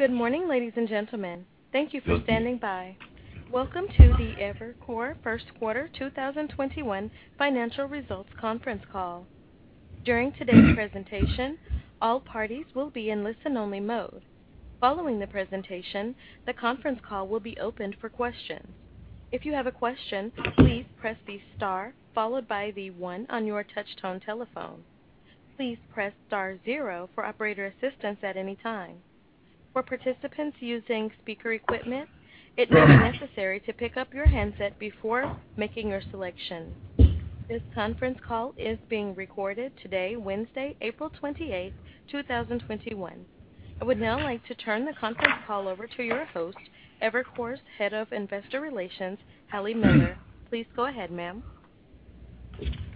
Good morning, ladies and gentlemen. Thank you for standing by. Welcome to the Evercore First Quarter 2021 Financial Results Conference Call. During today's presentation, all parties will be in listen-only mode. Following the presentation, the conference call will be opened for questions. If you have a question, please press the star followed by the one on your touchtone telephone. Please press star zero for operator assistance at any time. For participants using speaker equipment, it may be necessary to pick up your handset before making your selection. This conference call is being recorded today, Wednesday, April 28, 2021. I would now like to turn the conference call over to your host, Evercore's Head of Investor Relations, Hallie Miller. Please go ahead, ma'am.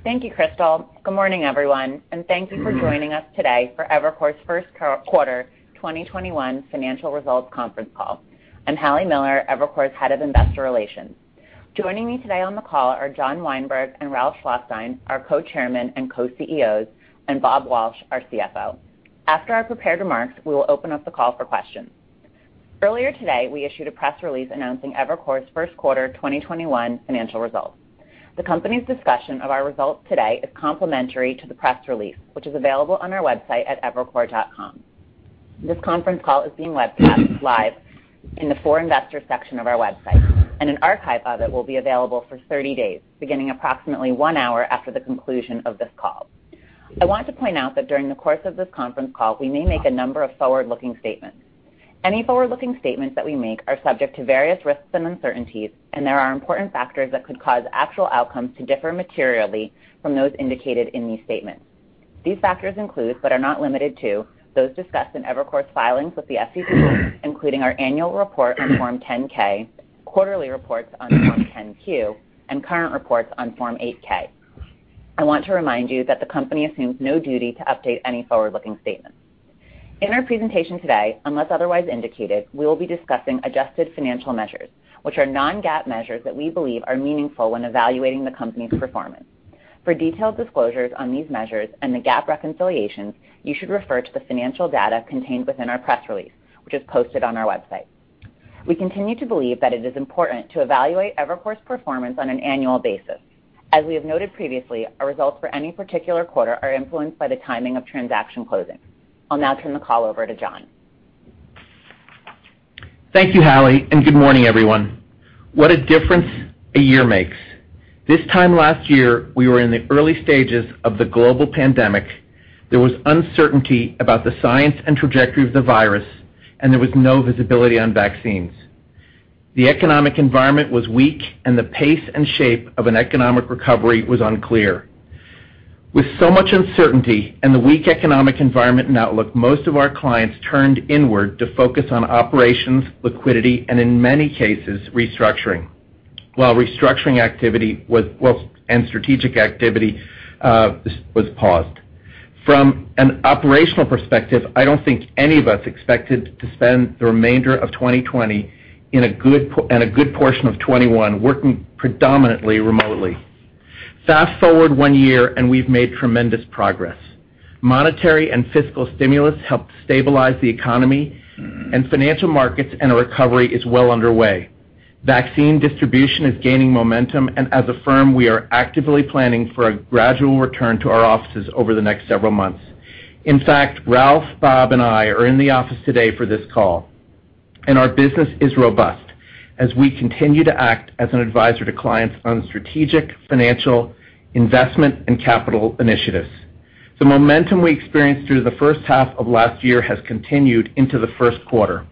Thank you, Crystal. Good morning, everyone, and thank you for joining us today for Evercore's First Quarter 2021 Financial Results Conference Call. I'm Hallie Miller, Evercore's Head of Investor Relations. Joining me today on the call are John Weinberg and Ralph Schlosstein, our Co-Chairmen and Co-CEOs, and Bob Walsh, our CFO. After our prepared remarks, we will open up the call for questions. Earlier today, we issued a press release announcing Evercore's first quarter 2021 financial results. The company's discussion of our results today is complementary to the press release, which is available on our website at evercore.com. This conference call is being webcast live in the For Investors section of our website, and an archive of it will be available for 30 days, beginning approximately one hour after the conclusion of this call. I want to point out that during the course of this conference call, we may make a number of forward-looking statements. Any forward-looking statements that we make are subject to various risks and uncertainties, and there are important factors that could cause actual outcomes to differ materially from those indicated in these statements. These factors include, but are not limited to, those discussed in Evercore's filings with the SEC, including our annual report on Form 10-K, quarterly reports on Form 10-Q, and current reports on Form 8-K. I want to remind you that the company assumes no duty to update any forward-looking statements. In our presentation today, unless otherwise indicated, we will be discussing adjusted financial measures, which are non-GAAP measures that we believe are meaningful when evaluating the company's performance. For detailed disclosures on these measures and the GAAP reconciliations, you should refer to the financial data contained within our press release, which is posted on our website. We continue to believe that it is important to evaluate Evercore's performance on an annual basis. As we have noted previously, our results for any particular quarter are influenced by the timing of transaction closing. I'll now turn the call over to John. Thank you, Hallie. Good morning, everyone. What a difference a year makes. This time last year, we were in the early stages of the global pandemic. There was uncertainty about the science and trajectory of the virus, and there was no visibility on vaccines. The economic environment was weak, and the pace and shape of an economic recovery was unclear. With so much uncertainty and the weak economic environment and outlook, most of our clients turned inward to focus on operations, liquidity, and in many cases, restructuring. While restructuring activity and strategic activity was paused. From an operational perspective, I don't think any of us expected to spend the remainder of 2020 and a good portion of 2021 working predominantly remotely. Fast-forward one year, and we've made tremendous progress. Monetary and fiscal stimulus helped stabilize the economy and financial markets, and a recovery is well underway. Vaccine distribution is gaining momentum. As a firm, we are actively planning for a gradual return to our offices over the next several months. In fact, Ralph, Bob, and I are in the office today for this call. Our business is robust as we continue to act as an advisor to clients on strategic, financial, investment, and capital initiatives. The momentum we experienced through the first half of last year has continued into the first quarter.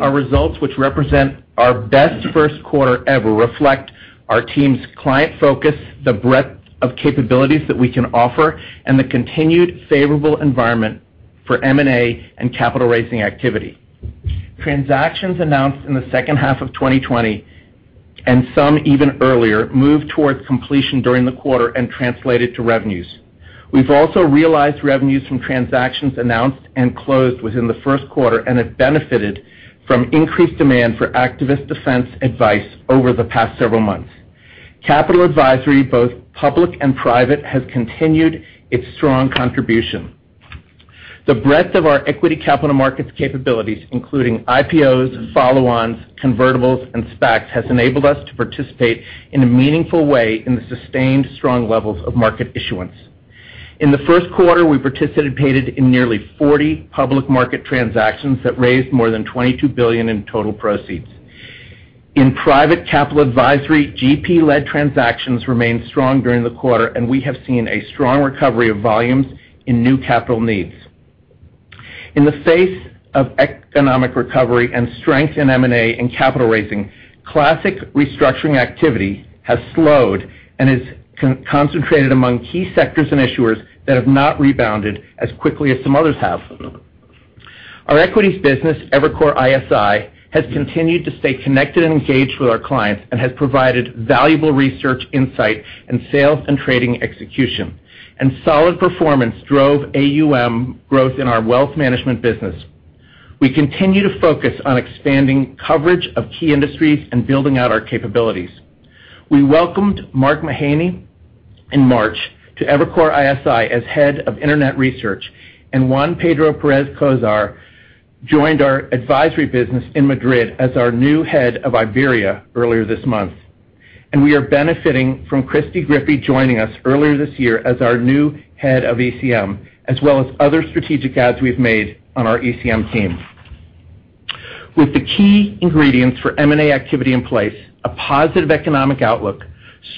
Our results, which represent our best first quarter ever, reflect our team's client focus, the breadth of capabilities that we can offer, and the continued favorable environment for M&A and capital-raising activity. Transactions announced in the second half of 2020, and some even earlier, moved towards completion during the quarter and translated to revenues. We've also realized revenues from transactions announced and closed within the first quarter and have benefited from increased demand for activist defense advice over the past several months. Capital advisory, both public and private, has continued its strong contribution. The breadth of our equity capital markets capabilities, including IPOs, follow-ons, convertibles, and SPACs, has enabled us to participate in a meaningful way in the sustained strong levels of market issuance. In the first quarter, we participated in nearly 40 public market transactions that raised more than $22 billion in total proceeds. In private capital advisory, GP-led transactions remained strong during the quarter, and we have seen a strong recovery of volumes in new capital needs. In the face of economic recovery and strength in M&A and capital raising, classic restructuring activity has slowed and is concentrated among key sectors and issuers that have not rebounded as quickly as some others have. Our equities business, Evercore ISI, has continued to stay connected and engaged with our clients and has provided valuable research insight and sales and trading execution, and solid performance drove AUM growth in our wealth management business. We continue to focus on expanding coverage of key industries and building out our capabilities. We welcomed Mark Mahaney in March to Evercore ISI as Head of Internet Research, and Juan Pedro Pérez Cózar joined our advisory business in Madrid as our new Head of Iberia earlier this month. We are benefiting from Kristen Grippi joining us earlier this year as our new Head of ECM, as well as other strategic adds we've made on our ECM team. With the key ingredients for M&A activity in place, a positive economic outlook,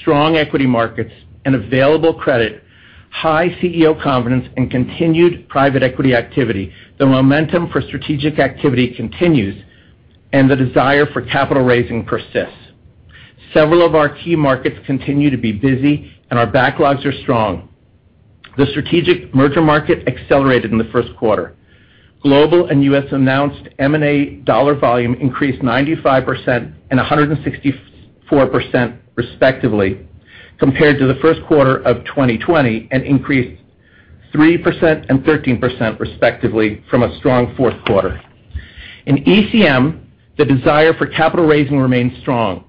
strong equity markets, and available credit, high CEO confidence, and continued private equity activity, the momentum for strategic activity continues and the desire for capital raising persists. Several of our key markets continue to be busy and our backlogs are strong. The strategic merger market accelerated in the first quarter. Global and U.S.-announced M&A dollar volume increased 95% and 164%, respectively, compared to the first quarter of 2020, and increased 3% and 13%, respectively, from a strong fourth quarter. In ECM, the desire for capital raising remains strong,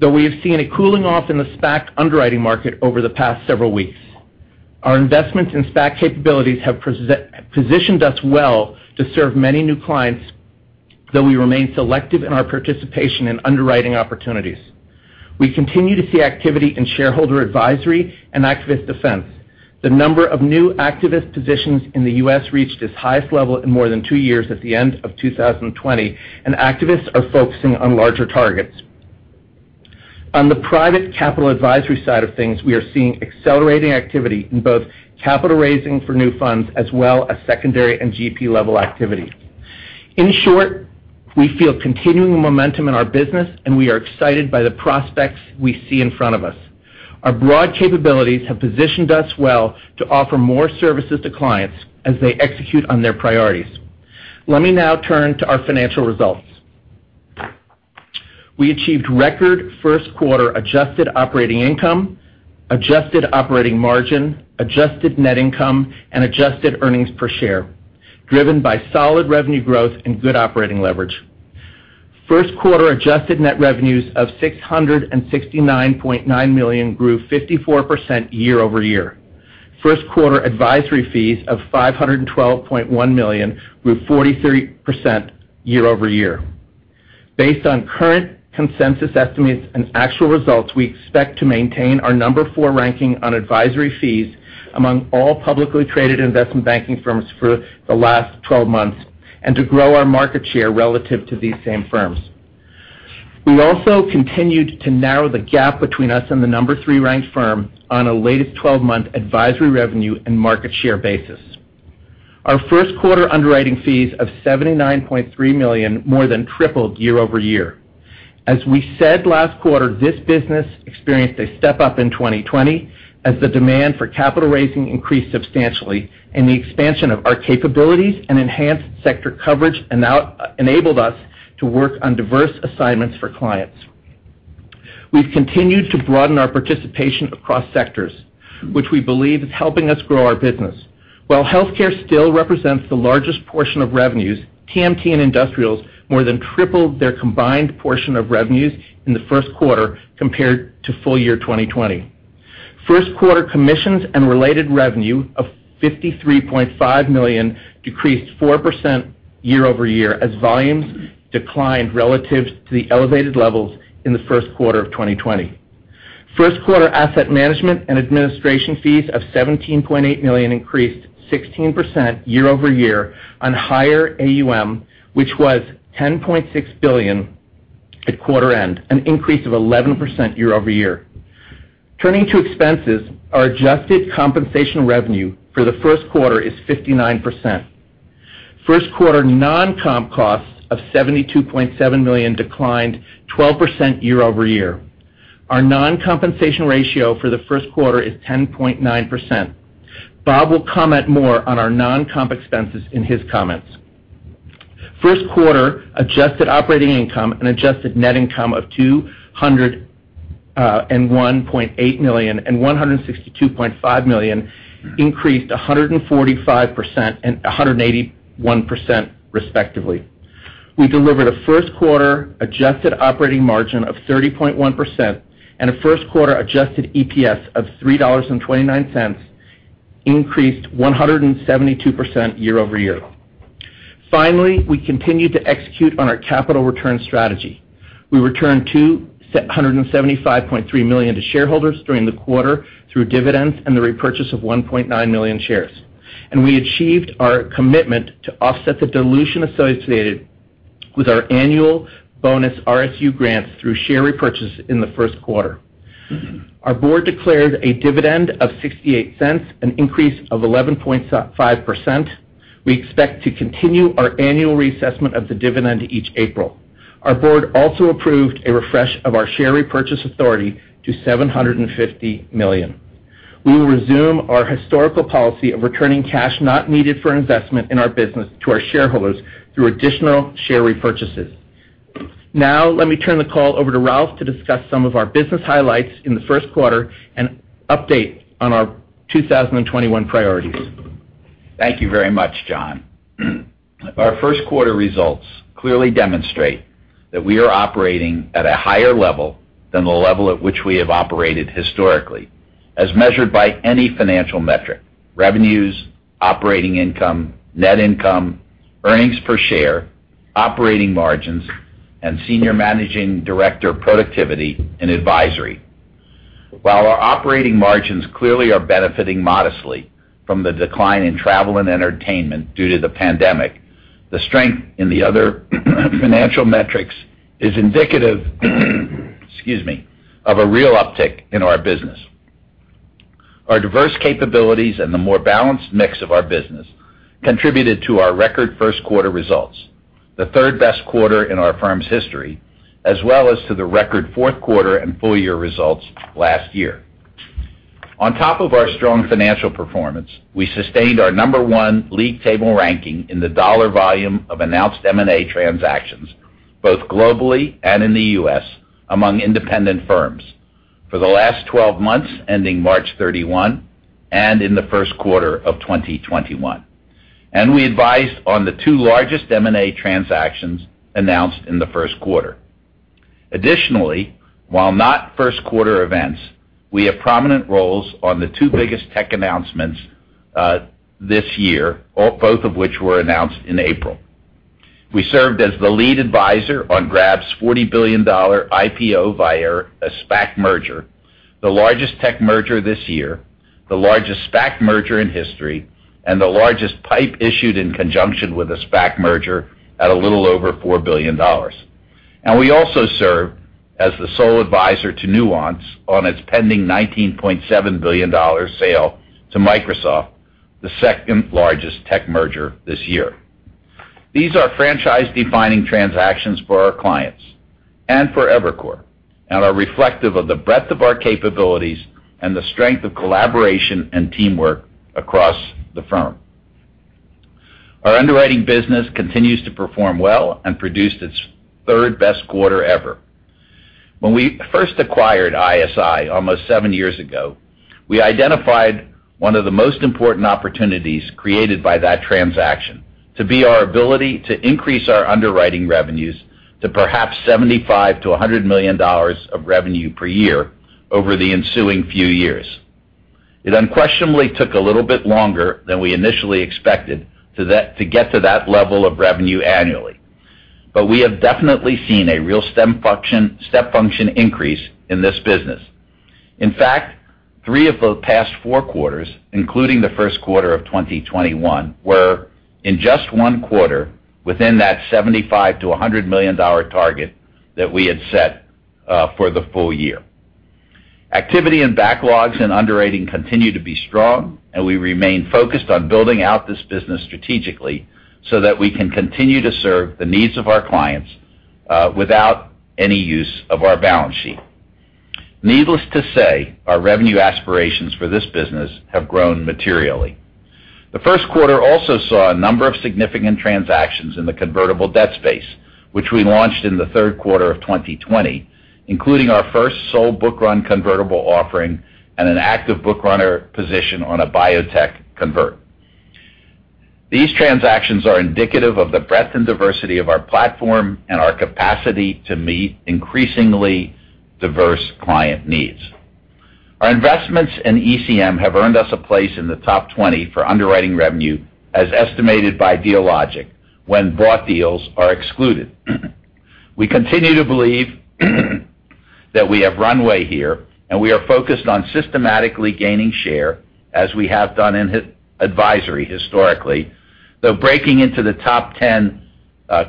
though we have seen a cooling off in the SPAC underwriting market over the past several weeks. Our investments in SPAC capabilities have positioned us well to serve many new clients, though we remain selective in our participation in underwriting opportunities. We continue to see activity in shareholder advisory and activist defense. The number of new activist positions in the U.S. reached its highest level in more than two years at the end of 2020, and activists are focusing on larger targets. On the private capital advisory side of things, we are seeing accelerating activity in both capital raising for new funds as well as secondary and GP-level activity. In short, we feel continuing momentum in our business and we are excited by the prospects we see in front of us. Our broad capabilities have positioned us well to offer more services to clients as they execute on their priorities. Let me now turn to our financial results. We achieved record first quarter adjusted operating income, adjusted operating margin, adjusted net income, and adjusted earnings per share, driven by solid revenue growth and good operating leverage. First quarter adjusted net revenues of $669.9 million grew 54% year-over-year. First quarter advisory fees of $512.1 million grew 43% year-over-year. Based on current consensus estimates and actual results, we expect to maintain our number four ranking on advisory fees among all publicly traded investment banking firms for the last 12 months, and to grow our market share relative to these same firms. We also continued to narrow the gap between us and the number three ranked firm on a latest 12-month advisory revenue and market share basis. Our first quarter underwriting fees of $79.3 million more than tripled year-over-year. As we said last quarter, this business experienced a step-up in 2020 as the demand for capital raising increased substantially and the expansion of our capabilities and enhanced sector coverage enabled us to work on diverse assignments for clients. We've continued to broaden our participation across sectors, which we believe is helping us grow our business. While healthcare still represents the largest portion of revenues, TMT and Industrials more than tripled their combined portion of revenues in the first quarter compared to full year 2020. First quarter commissions and related revenue of $53.5 million decreased 4% year-over-year as volumes declined relative to the elevated levels in the first quarter of 2020. First quarter asset management and administration fees of $17.8 million increased 16% year-over-year on higher AUM, which was $10.6 billion at quarter end, an increase of 11% year-over-year. Turning to expenses, our adjusted compensation revenue for the first quarter is 59%. First quarter non-comp costs of $72.7 million declined 12% year-over-year. Our non-compensation ratio for the first quarter is 10.9%. Bob will comment more on our non-comp expenses in his comments. First quarter adjusted operating income and adjusted net income of $201.8 million and $162.5 million increased 145% and 181%, respectively. We delivered a first quarter adjusted operating margin of 30.1% and a first quarter adjusted EPS of $3.29, increased 172% year-over-year. Finally, we continued to execute on our capital return strategy. We returned $275.3 million to shareholders during the quarter through dividends and the repurchase of 1.9 million shares, and we achieved our commitment to offset the dilution associated with our annual bonus RSU grants through share repurchase in the first quarter. Our board declared a dividend of $0.68, an increase of 11.5%. We expect to continue our annual reassessment of the dividend each April. Our board also approved a refresh of our share repurchase authority to $750 million. We will resume our historical policy of returning cash not needed for investment in our business to our shareholders through additional share repurchases. Now let me turn the call over to Ralph to discuss some of our business highlights in the first quarter and update on our 2021 priorities. Thank you very much, John. Our first quarter results clearly demonstrate that we are operating at a higher level than the level at which we have operated historically, as measured by any financial metric. Revenues, operating income, net income, earnings per share, operating margins, and senior managing director productivity in advisory. While our operating margins clearly are benefiting modestly from the decline in travel and entertainment due to the pandemic, the strength in the other financial metrics is indicative of a real uptick in our business. Our diverse capabilities and the more balanced mix of our business contributed to our record first quarter results, the third-best quarter in our firm's history, as well as to the record fourth quarter and full-year results last year. On top of our strong financial performance, we sustained our number one league table ranking in the dollar volume of announced M&A transactions, both globally and in the U.S., among independent firms for the last 12 months ending March 31 and in the first quarter of 2021. We advised on the two largest M&A transactions announced in the first quarter. Additionally, while not first quarter events, we have prominent roles on the two biggest tech announcements this year, both of which were announced in April. We served as the lead advisor on Grab's $40 billion IPO via a SPAC merger, the largest tech merger this year, the largest SPAC merger in history, and the largest PIPE issued in conjunction with a SPAC merger at a little over $4 billion. We also serve as the sole advisor to Nuance on its pending $19.7 billion sale to Microsoft, the second-largest tech merger this year. These are franchise-defining transactions for our clients and for Evercore and are reflective of the breadth of our capabilities and the strength of collaboration and teamwork across the firm. Our underwriting business continues to perform well and produced its third-best quarter ever. When we first acquired ISI almost seven years ago, we identified one of the most important opportunities created by that transaction to be our ability to increase our underwriting revenues to perhaps $75 million-$100 million of revenue per year over the ensuing few years. It unquestionably took a little bit longer than we initially expected to get to that level of revenue annually. We have definitely seen a real step function increase in this business. In fact, three of the past four quarters, including the first quarter of 2021, were, in just one quarter, within that $75 million to $100 million target that we had set for the full year. Activity and backlogs in underwriting continue to be strong, and we remain focused on building out this business strategically so that we can continue to serve the needs of our clients without any use of our balance sheet. Needless to say, our revenue aspirations for this business have grown materially. The first quarter also saw a number of significant transactions in the convertible debt space, which we launched in the third quarter of 2020, including our first sole book-run convertible offering and an active book runner position on a biotech convert. These transactions are indicative of the breadth and diversity of our platform and our capacity to meet increasingly diverse client needs. Our investments in ECM have earned us a place in the top 20 for underwriting revenue, as estimated by Dealogic, when bought deals are excluded. We continue to believe that we have runway here, and we are focused on systematically gaining share as we have done in advisory historically, though breaking into the top 10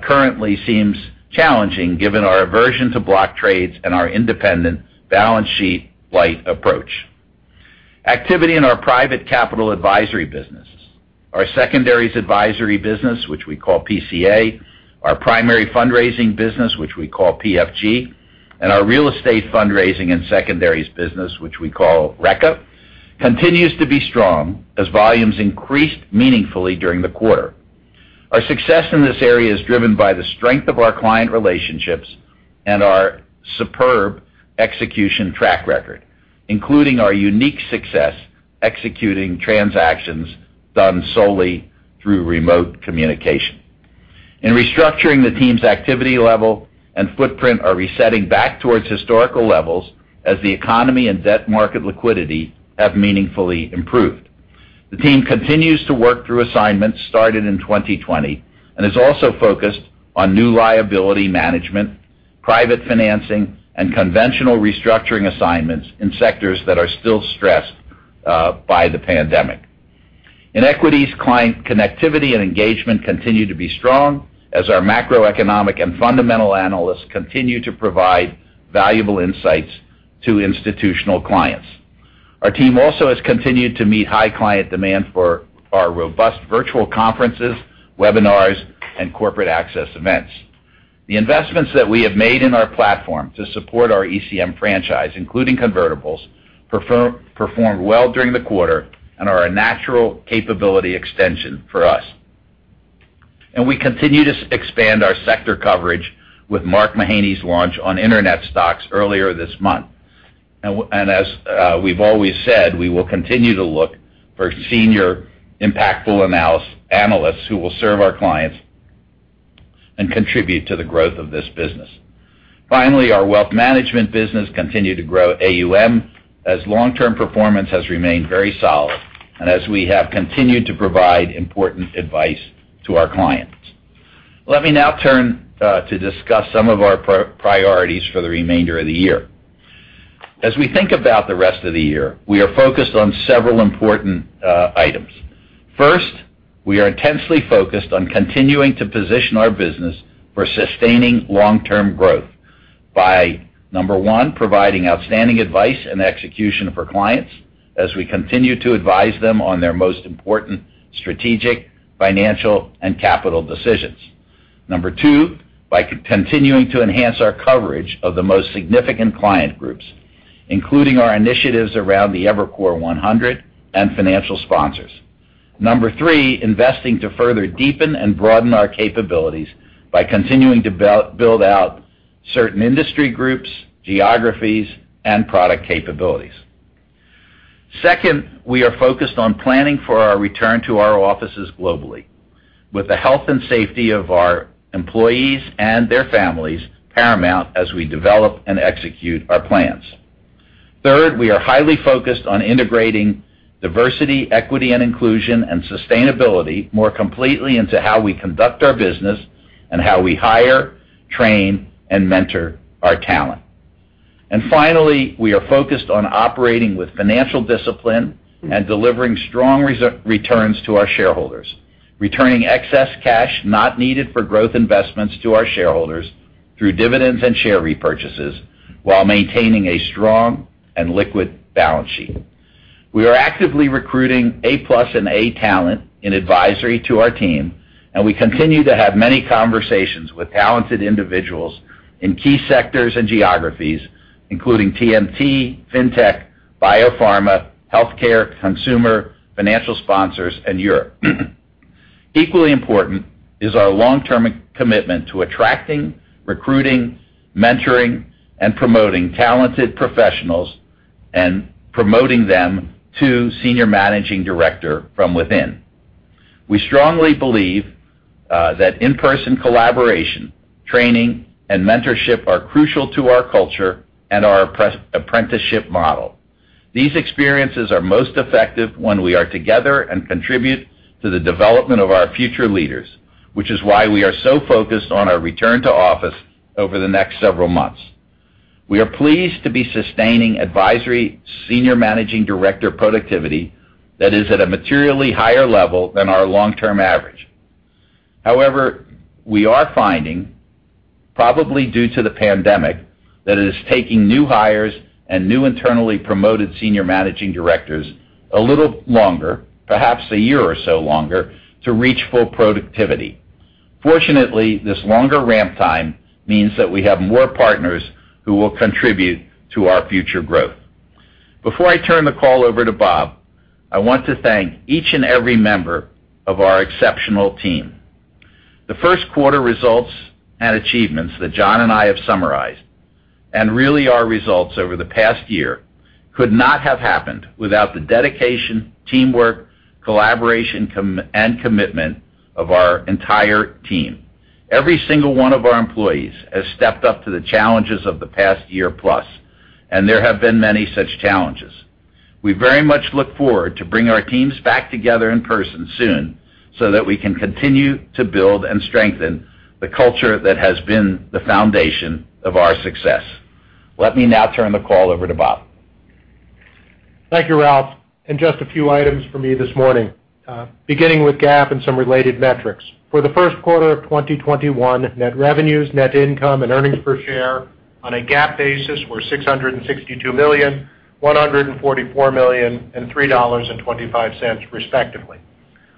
currently seems challenging given our aversion to block trades and our independent balance sheet-light approach. Activity in our private capital advisory businesses, our secondaries advisory business, which we call PCA, our primary fundraising business, which we call PFG, and our real estate fundraising and secondaries business, which we call RECA, continues to be strong as volumes increased meaningfully during the quarter. Our success in this area is driven by the strength of our client relationships and our superb execution track record, including our unique success executing transactions done solely through remote communication. In restructuring, the team's activity level and footprint are resetting back towards historical levels as the economy and debt market liquidity have meaningfully improved. The team continues to work through assignments started in 2020 and is also focused on new liability management, private financing, and conventional restructuring assignments in sectors that are still stressed by the pandemic. In equities, client connectivity and engagement continue to be strong as our macroeconomic and fundamental analysts continue to provide valuable insights to institutional clients. Our team also has continued to meet high client demand for our robust virtual conferences, webinars, and corporate access events. The investments that we have made in our platform to support our ECM franchise, including convertibles, performed well during the quarter and are a natural capability extension for us. We continue to expand our sector coverage with Mark Mahaney's launch on internet stocks earlier this month. As we've always said, we will continue to look for senior impactful analysts who will serve our clients and contribute to the growth of this business. Finally, our wealth management business continued to grow AUM as long-term performance has remained very solid and as we have continued to provide important advice to our clients. Let me now turn to discuss some of our priorities for the remainder of the year. As we think about the rest of the year, we are focused on several important items. First, we are intensely focused on continuing to position our business for sustaining long-term growth by, number one, providing outstanding advice and execution for clients as we continue to advise them on their most important strategic, financial, and capital decisions. Number two, by continuing to enhance our coverage of the most significant client groups, including our initiatives around the Evercore 100 and financial sponsors. Number three, investing to further deepen and broaden our capabilities by continuing to build out certain industry groups, geographies, and product capabilities. Second, we are focused on planning for our return to our offices globally with the health and safety of our employees and their families paramount as we develop and execute our plans. Third, we are highly focused on integrating diversity, equity, and inclusion and sustainability more completely into how we conduct our business and how we hire, train, and mentor our talent. Finally, we are focused on operating with financial discipline and delivering strong returns to our shareholders, returning excess cash not needed for growth investments to our shareholders through dividends and share repurchases while maintaining a strong and liquid balance sheet. We are actively recruiting A+ and A talent in advisory to our team. We continue to have many conversations with talented individuals in key sectors and geographies, including TMT, fintech, biopharma, healthcare, consumer, financial sponsors, and Europe. Equally important is our long-term commitment to attracting, recruiting, mentoring, and promoting talented professionals and promoting them to Senior Managing Director from within. We strongly believe that in-person collaboration, training, and mentorship are crucial to our culture and our apprenticeship model. These experiences are most effective when we are together and contribute to the development of our future leaders, which is why we are so focused on our return to office over the next several months. We are pleased to be sustaining advisory Senior Managing Director productivity that is at a materially higher level than our long-term average. However, we are finding, probably due to the pandemic, that it is taking new hires and new internally promoted Senior Managing Directors a little longer, perhaps a year or so longer, to reach full productivity. Fortunately, this longer ramp time means that we have more partners who will contribute to our future growth. Before I turn the call over to Bob, I want to thank each and every member of our exceptional team. The first quarter results and achievements that John and I have summarized, and really our results over the past year could not have happened without the dedication, teamwork, collaboration, and commitment of our entire team. Every single one of our employees has stepped up to the challenges of the past year-plus, and there have been many such challenges. We very much look forward to bring our teams back together in person soon so that we can continue to build and strengthen the culture that has been the foundation of our success. Let me now turn the call over to Bob. Thank you, Ralph. Just a few items from me this morning beginning with GAAP and some related metrics. For the first quarter of 2021, net revenues, net income, and earnings per share on a GAAP basis were $662 million, $144 million, and $3.25 respectively.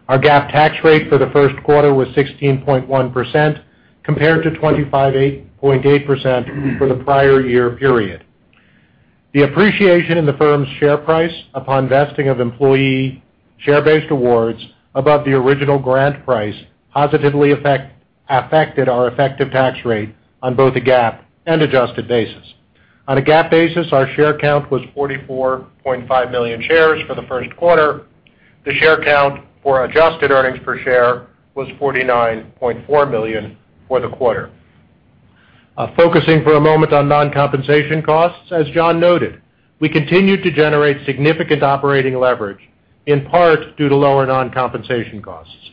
Our GAAP tax rate for the first quarter was 16.1% compared to 25.8% for the prior year period. The appreciation in the firm's share price upon vesting of employee share-based awards above the original grant price positively affected our effective tax rate on both the GAAP and adjusted basis. On a GAAP basis, our share count was 44.5 million shares for the first quarter. The share count for adjusted earnings per share was 49.4 million for the quarter. Focusing for a moment on non-compensation costs, as John noted, we continued to generate significant operating leverage, in part due to lower non-compensation costs.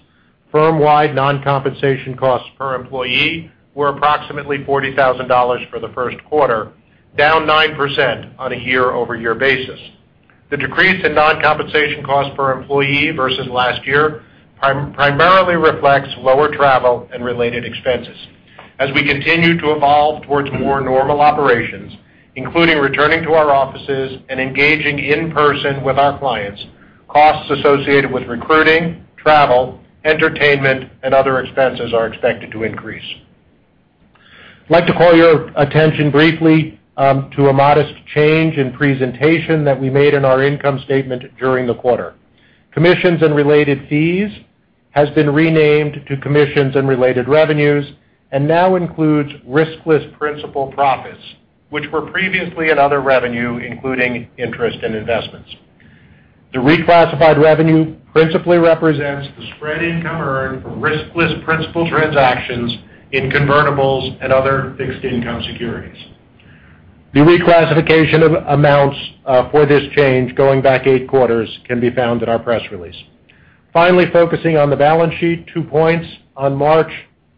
Firm-wide non-compensation costs per employee were approximately $40,000 for the first quarter, down 9% on a year-over-year basis. The decrease in non-compensation costs per employee versus last year primarily reflects lower travel and related expenses. As we continue to evolve towards more normal operations, including returning to our offices and engaging in person with our clients, costs associated with recruiting, travel, entertainment, and other expenses are expected to increase. I'd like to call your attention briefly to a modest change in presentation that we made in our income statement during the quarter. Commissions and related fees has been renamed to commissions and related revenues, and now includes riskless principal profits, which were previously in other revenue, including interest and investments. The reclassified revenue principally represents the spread income earned from riskless principal transactions in convertibles and other fixed income securities. The reclassification of amounts for this change going back eight quarters can be found in our press release. Finally, focusing on the balance sheet, two points. On March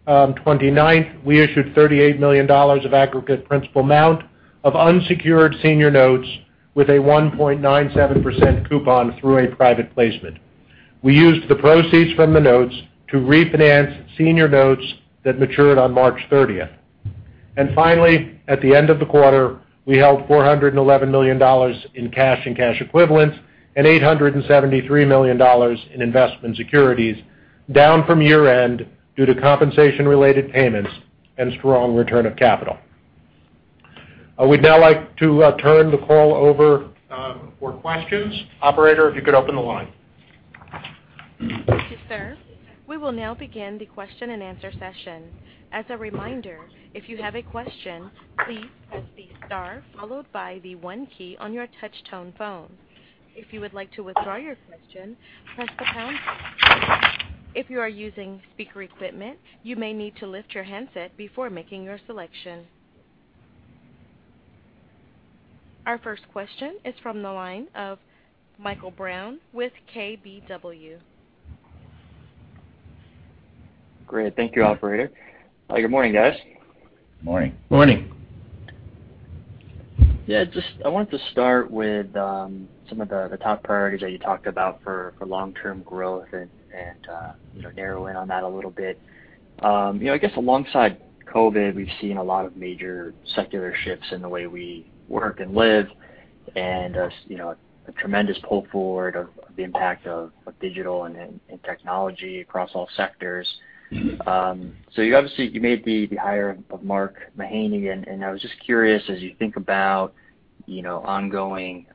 29th, we issued $38 million of aggregate principal amount of unsecured senior notes with a 1.97% coupon through a private placement. We used the proceeds from the notes to refinance senior notes that matured on March 30th. Finally, at the end of the quarter, we held $411 million in cash and cash equivalents and $873 million in investment securities, down from year-end due to compensation-related payments and strong return of capital. We'd now like to turn the call over for questions. Operator, if you could open the line. Thank you, sir. We will now begin the question and answer session. As a reminder, if you have a question, please press the star followed by the one key on your touch tone phone. If you would like to withdraw your question, press the pound key. If you are using speaker equipment, you may need to lift your handset before making your selection. Our first question is from the line of Michael Brown with KBW. Great. Thank you, operator. Good morning, guys. Morning. Morning. Yeah, just I wanted to start with some of the top priorities that you talked about for long-term growth and narrow in on that a little bit. I guess alongside COVID, we've seen a lot of major secular shifts in the way we work and live and a tremendous pull forward of the impact of digital and technology across all sectors. You obviously, you made the hire of Mark Mahaney, and I was just curious, as you think about ongoing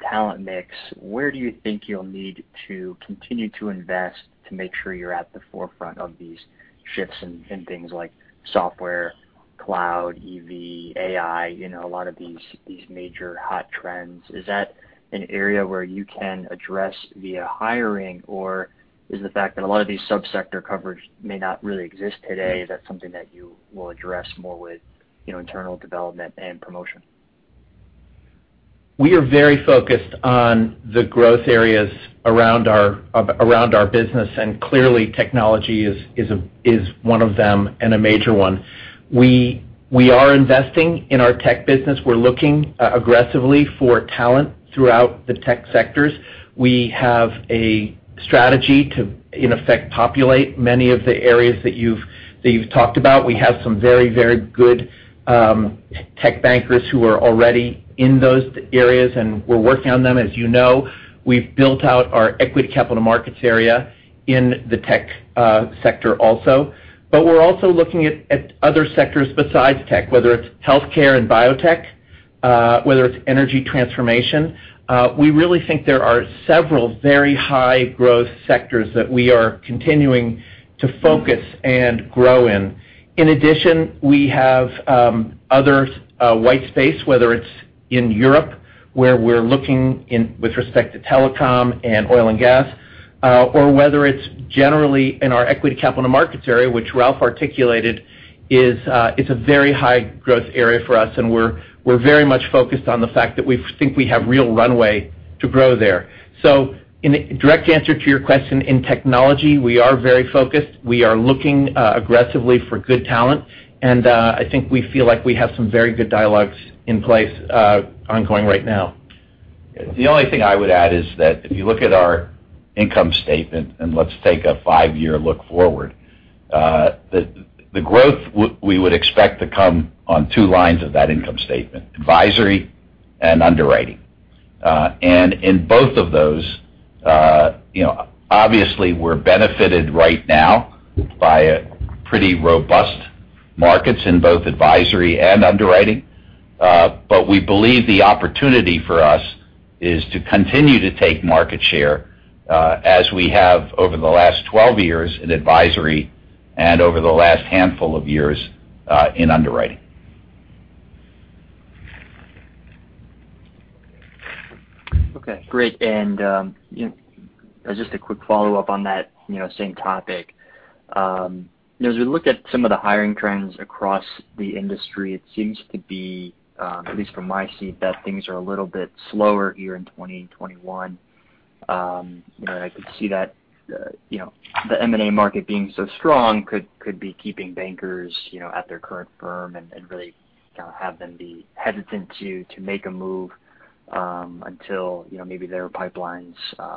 talent mix, where do you think you'll need to continue to invest to make sure you're at the forefront of these shifts in things like software, cloud, EV, AI, a lot of these major hot trends? Is that an area where you can address via hiring, or is the fact that a lot of these sub-sector covers may not really exist today, is that something that you will address more with internal development and promotion? We are very focused on the growth areas around our business, and clearly technology is one of them and a major one. We are investing in our tech business. We're looking aggressively for talent throughout the tech sectors. We have a strategy to, in effect, populate many of the areas that you've talked about. We have some very good tech bankers who are already in those areas, and we're working on them. As you know, we've built out our equity capital markets area in the tech sector also. But we're also looking at other sectors besides tech, whether it's healthcare and biotech, whether it's energy transformation. We really think there are several very high growth sectors that we are continuing to focus and grow in. In addition, we have other white space, whether it's in Europe, where we're looking with respect to telecom and oil and gas, or whether it's generally in our equity capital markets area, which Ralph articulated is a very high growth area for us, and we're very much focused on the fact that we think we have real runway to grow there. In direct answer to your question, in technology, we are very focused. We are looking aggressively for good talent, and I think we feel like we have some very good dialogues in place ongoing right now. The only thing I would add is that if you look at our income statement, and let's take a five-year look forward, the growth we would expect to come on two lines of that income statement, advisory and underwriting. In both of those obviously we're benefited right now by pretty robust markets in both advisory and underwriting. We believe the opportunity for us is to continue to take market share as we have over the last 12 years in advisory and over the last handful of years in underwriting. Okay, great. Just a quick follow-up on that same topic. As we look at some of the hiring trends across the industry, it seems to be, at least from my seat, that things are a little bit slower here in 2021. I could see that the M&A market being so strong could be keeping bankers at their current firm and really have them be hesitant to make a move until maybe their pipelines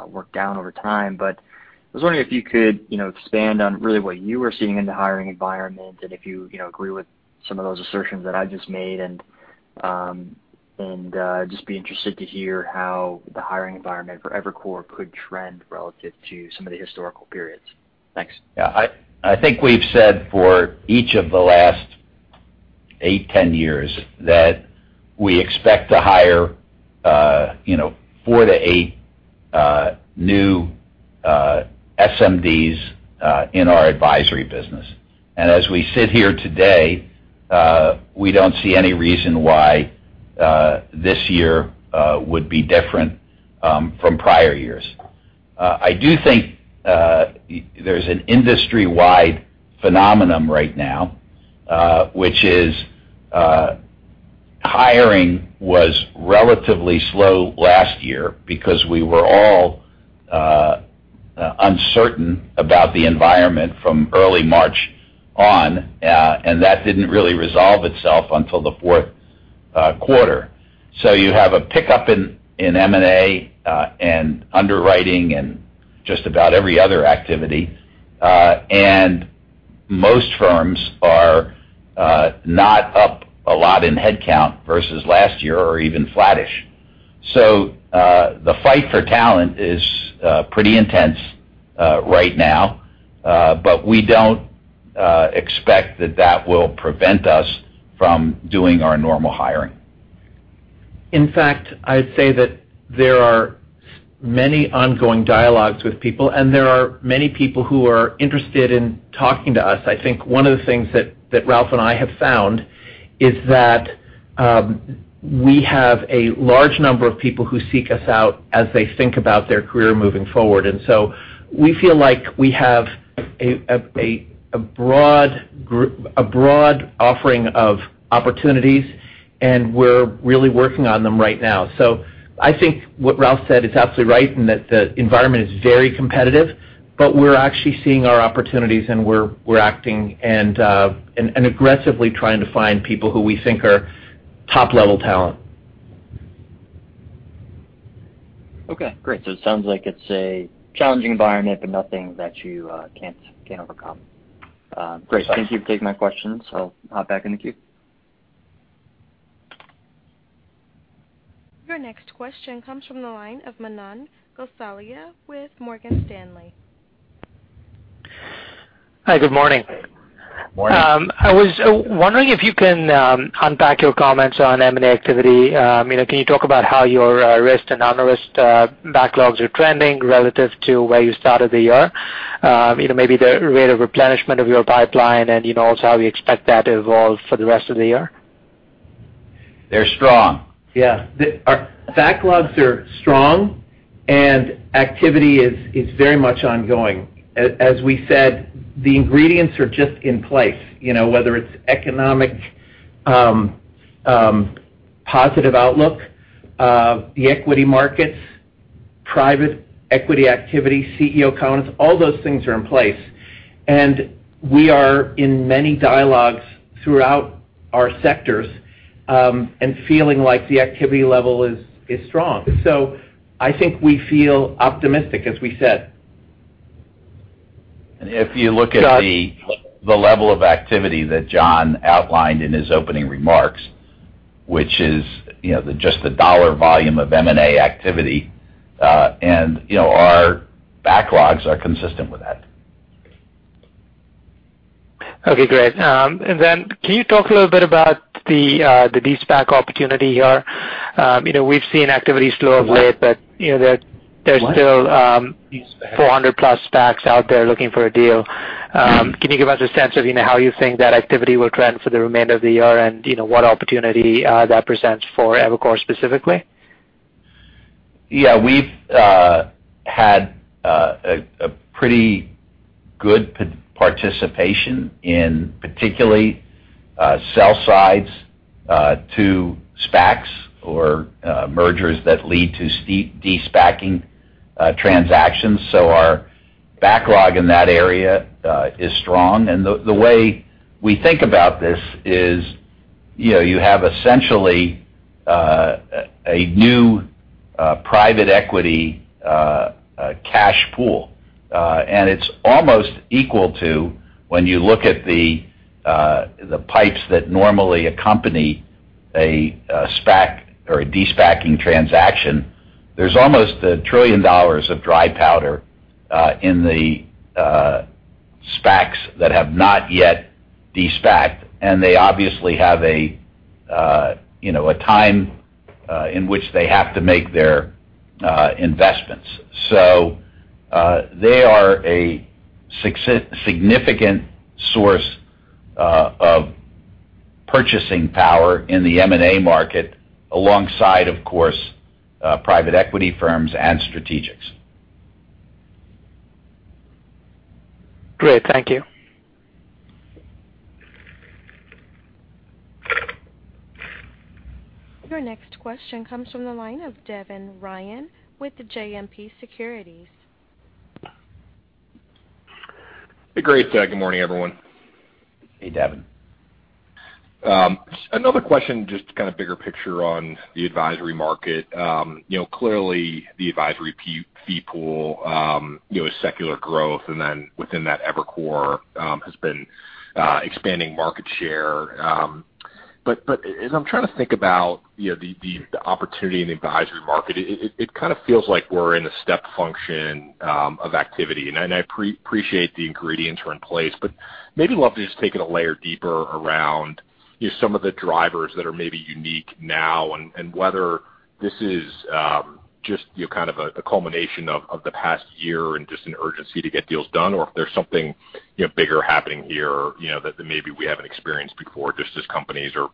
work down over time. I was wondering if you could expand on really what you were seeing in the hiring environment and if you agree with some of those assertions that I just made and just be interested to hear how the hiring environment for Evercore could trend relative to some of the historical periods. Thanks. Yeah, I think we've said for each of the last eight, 10 years that we expect to hire four to eight new SMDs in our advisory business. As we sit here today, we don't see any reason why this year would be different from prior years. I do think there's an industry-wide phenomenon right now, which is hiring was relatively slow last year because we were all uncertain about the environment from early March on, and that didn't really resolve itself until the fourth quarter. You have a pickup in M&A and underwriting and just about every other activity. Most firms are not up a lot in headcount versus last year or even flattish. The fight for talent is pretty intense right now. We don't expect that that will prevent us from doing our normal hiring. In fact, I'd say that there are many ongoing dialogues with people, and there are many people who are interested in talking to us. I think one of the things that Ralph and I have found is that we have a large number of people who seek us out as they think about their career moving forward. We feel like we have a broad offering of opportunities, and we're really working on them right now. I think what Ralph said is absolutely right in that the environment is very competitive, but we're actually seeing our opportunities, and we're acting and aggressively trying to find people who we think are top-level talent. Okay, great. It sounds like it's a challenging environment, but nothing that you can't overcome. Thanks. Great. Thank you for taking my questions. I'll hop back in the queue. Your next question comes from the line of Manan Gosalia with Morgan Stanley. Hi, good morning. Morning. I was wondering if you can unpack your comments on M&A activity? Can you talk about how your risked and unrisked backlogs are trending relative to where you started the year? Maybe the rate of replenishment of your pipeline and also how you expect that to evolve for the rest of the year? They're strong. Yeah. Our backlogs are strong, and activity is very much ongoing. As we said, the ingredients are just in place, whether it's economic positive outlook, the equity markets, private equity activity, CEO confidence, all those things are in place. We are in many dialogues throughout our sectors, and feeling like the activity level is strong. I think we feel optimistic, as we said. If you look at the level of activity that John outlined in his opening remarks, which is just the dollar volume of M&A activity, and our backlogs are consistent with that. Okay, great. Can you talk a little bit about the de-SPAC opportunity here? We've seen activity slow of late, but there's still. What de-SPAC? 400 plus SPACs out there looking for a deal. Can you give us a sense of how you think that activity will trend for the remainder of the year and what opportunity that presents for Evercore specifically? Yeah. We've had a pretty good participation in particularly sell sides to SPACs or mergers that lead to de-SPACing transactions. Our backlog in that area is strong. The way we think about this is, you have essentially a new private equity cash pool. It's almost equal to, when you look at the pipes that normally accompany a SPAC or a de-SPACing transaction, there's almost $1 trillion of dry powder in the SPACs that have not yet de-SPACed, and they obviously have a time in which they have to make their investments. They are a significant source of purchasing power in the M&A market alongside, of course, private equity firms and strategics. Great. Thank you. Your next question comes from the line of Devin Ryan with the JMP Securities. Hey, great. Good morning, everyone. Hey, Devin. Another question, just kind of bigger picture on the advisory market. Clearly the advisory fee pool, secular growth, and then within that Evercore, has been expanding market share. As I'm trying to think about the opportunity in the advisory market, it kind of feels like we're in a step function of activity. I appreciate the ingredients are in place, but maybe love to just take it a layer deeper around some of the drivers that are maybe unique now and whether this is just kind of a culmination of the past year and just an urgency to get deals done, or if there's something bigger happening here that maybe we haven't experienced before, just as companies are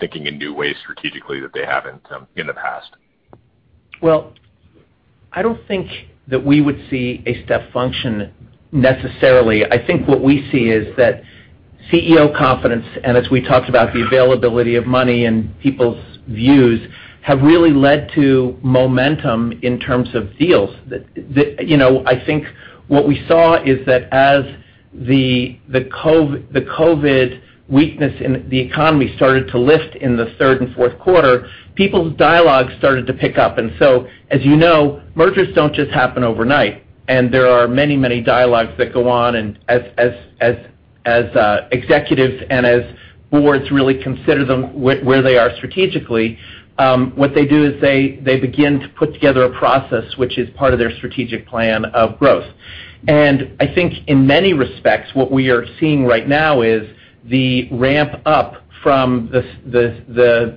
thinking in new ways strategically that they haven't in the past. Well, I don't think that we would see a step function necessarily. I think what we see is that CEO confidence, and as we talked about, the availability of money and people's views, have really led to momentum in terms of deals. I think what we saw is that as the COVID weakness in the economy started to lift in the third and fourth quarter, people's dialogues started to pick up. As you know, mergers don't just happen overnight, and there are many dialogues that go on. As executives and as boards really consider where they are strategically, what they do is they begin to put together a process which is part of their strategic plan of growth. In many respects, what we are seeing right now is the ramp-up from the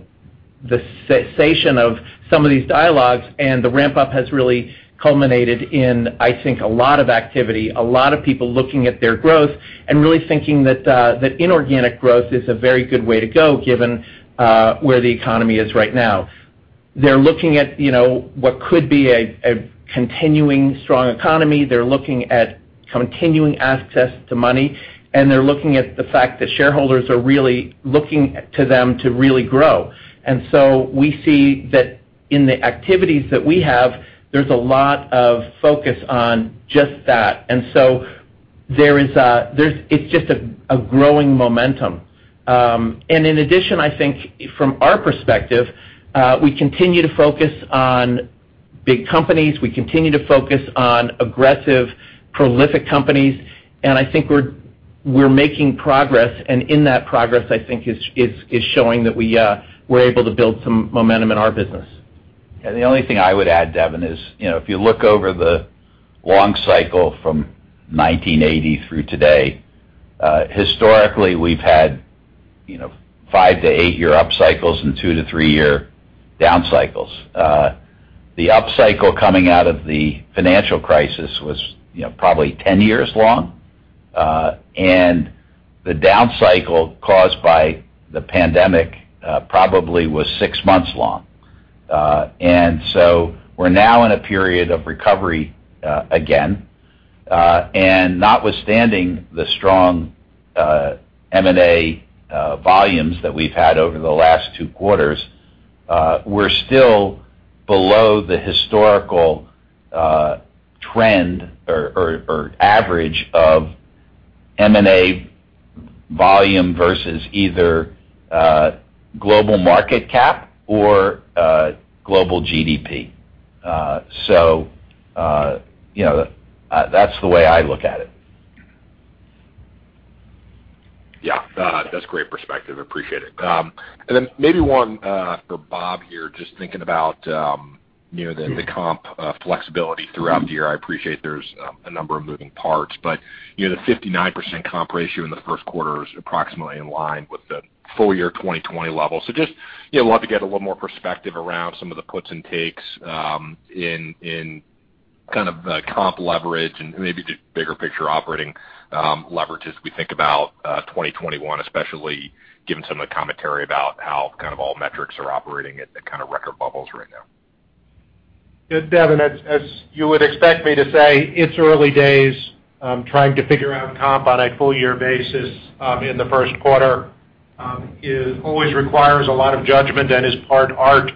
cessation of some of these dialogues. The ramp-up has really culminated in, I think, a lot of activity, a lot of people looking at their growth and really thinking that inorganic growth is a very good way to go, given where the economy is right now. They're looking at what could be a continuing strong economy. They're looking at continuing access to money, and they're looking at the fact that shareholders are really looking to them to really grow. We see that in the activities that we have, there's a lot of focus on just that. It's just a growing momentum. In addition, I think from our perspective, we continue to focus on big companies. We continue to focus on aggressive, prolific companies. I think we're making progress, and in that progress, I think is showing that we're able to build some momentum in our business. The only thing I would add, Devin, is if you look over the long cycle from 1980 through today, historically we've had five to eight year up cycles and two to three year down cycles. The up cycle coming out of the financial crisis was probably 10 years long, and the down cycle caused by the pandemic probably was six months long. So we're now in a period of recovery again. Notwithstanding the strong M&A volumes that we've had over the last two quarters, we're still below the historical trend or average of M&A volume versus either global market cap or global GDP. That's the way I look at it. That's great perspective. Appreciate it. Maybe one for Bob here, just thinking about the comp flexibility throughout the year. I appreciate there's a number of moving parts, but the 59% comp ratio in the first quarter is approximately in line with the full year 2020 level. Just love to get a little more perspective around some of the puts and takes in kind of the comp leverage and maybe just bigger picture operating leverage as we think about 2021, especially given some of the commentary about how kind of all metrics are operating at kind of record levels right now. Devin, as you would expect me to say, it's early days. Trying to figure out comp on a full year basis in the first quarter, it always requires a lot of judgment and is part art.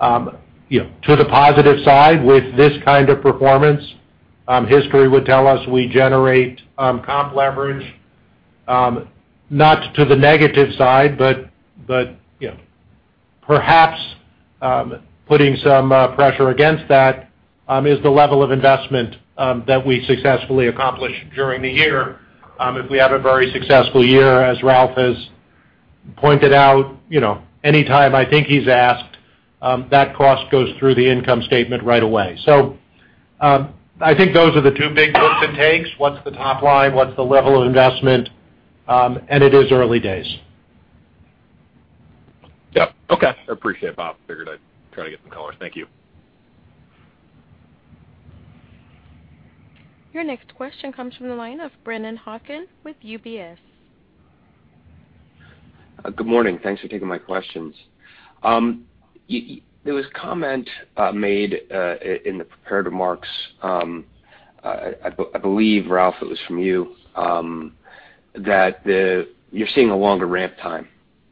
To the positive side with this kind of performance, history would tell us we generate comp leverage, not to the negative side, but perhaps putting some pressure against that is the level of investment that we successfully accomplish during the year. If we have a very successful year, as Ralph has pointed out anytime I think he's asked, that cost goes through the income statement right away. I think those are the two big puts and takes. What's the top line? What's the level of investment? It is early days. Yeah. Okay. I appreciate it, Bob. Figured I'd try to get some color. Thank you. Your next question comes from the line of Brennan Hawken with UBS. Good morning. Thanks for taking my questions. There was a comment made in the prepared remarks, I believe, Ralph, it was from you, that you're seeing a longer ramp time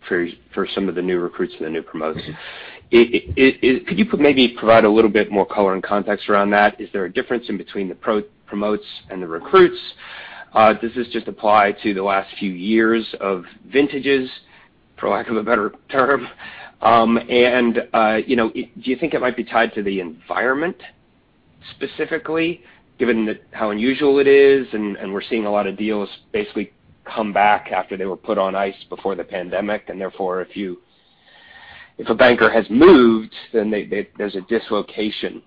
for some of the new recruits and the new promotes. Could you maybe provide a little bit more color and context around that? Is there a difference between the promotes and the recruits? Does this just apply to the last few years of vintages, for lack of a better term? Do you think it might be tied to the environment? Specifically, given how unusual it is, and we're seeing a lot of deals basically come back after they were put on ice before the pandemic, and therefore, if a banker has moved, then there's a dislocation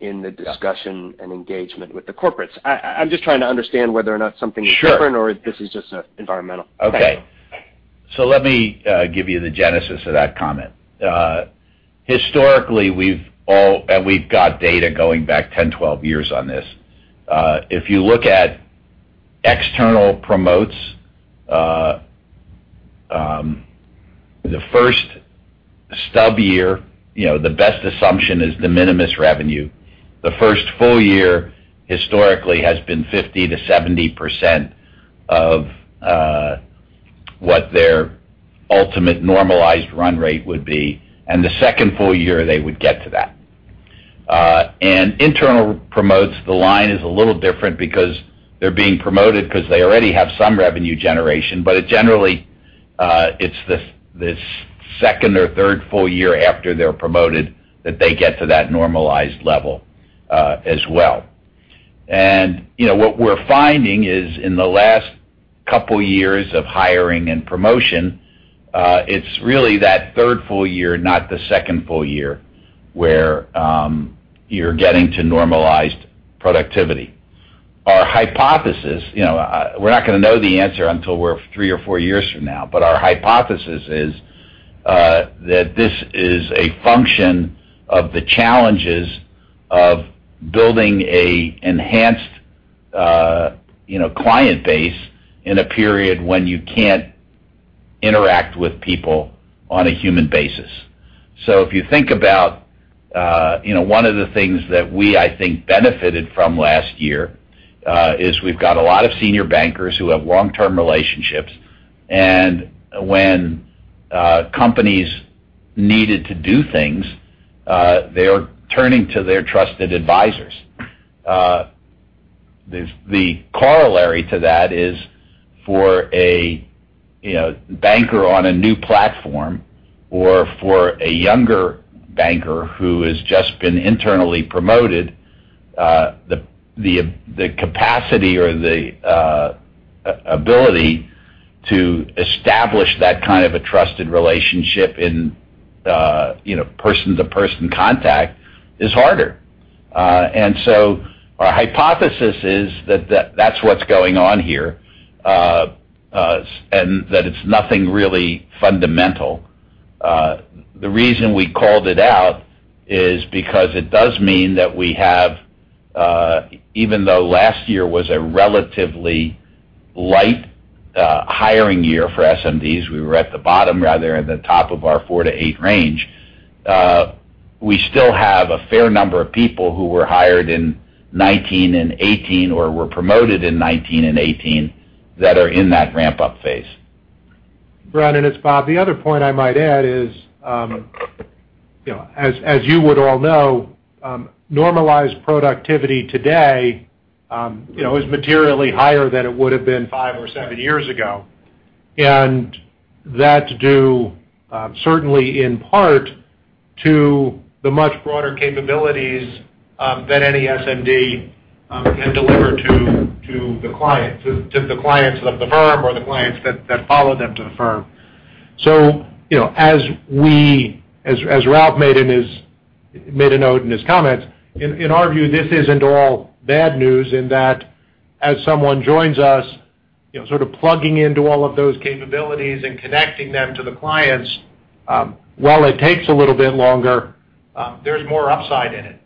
in the- Yeah. discussion and engagement with the corporates. I'm just trying to understand whether or not- Sure. something is different or if this is just an environmental thing? Okay. Let me give you the genesis of that comment. Historically, we've got data going back 10, 12 years on this. If you look at external promotes, the first stub year, the best assumption is de minimis revenue. The first full year historically has been 50%-70% of what their ultimate normalized run rate would be, the second full year they would get to that. Internal promotes, the line is a little different because they're being promoted because they already have some revenue generation, but generally, it's the second or third full year after they're promoted that they get to that normalized level as well. What we're finding is in the last couple years of hiring and promotion, it's really that third full year, not the second full year, where you're getting to normalized productivity. Our hypothesis, we're not going to know the answer until we're three or four years from now, but our hypothesis is that this is a function of the challenges of building an enhanced client base in a period when you can't interact with people on a human basis. If you think about one of the things that we, I think, benefited from last year, is we've got a lot of senior bankers who have long-term relationships, and when companies needed to do things, they are turning to their trusted advisors. The corollary to that is for a banker on a new platform or for a younger banker who has just been internally promoted, the capacity or the ability to establish that kind of a trusted relationship in person-to-person contact is harder. Our hypothesis is that that's what's going on here, and that it's nothing really fundamental. The reason we called it out is because it does mean that we have, even though last year was a relatively light hiring year for SMDs, we were at the bottom, rather at the top of our four to eight range. We still have a fair number of people who were hired in 2019 and 2018 or were promoted in 2019 and 2018 that are in that ramp-up phase. Brennan, it's Bob. The other point I might add is, as you would all know, normalized productivity today is materially higher than it would've been five or seven years ago. That's due, certainly in part, to the much broader capabilities that any SMD can deliver to the clients of the firm or the clients that follow them to the firm. As Ralph made a note in his comments, in our view, this isn't all bad news in that as someone joins us, sort of plugging into all of those capabilities and connecting them to the clients, while it takes a little bit longer, there's more upside in it.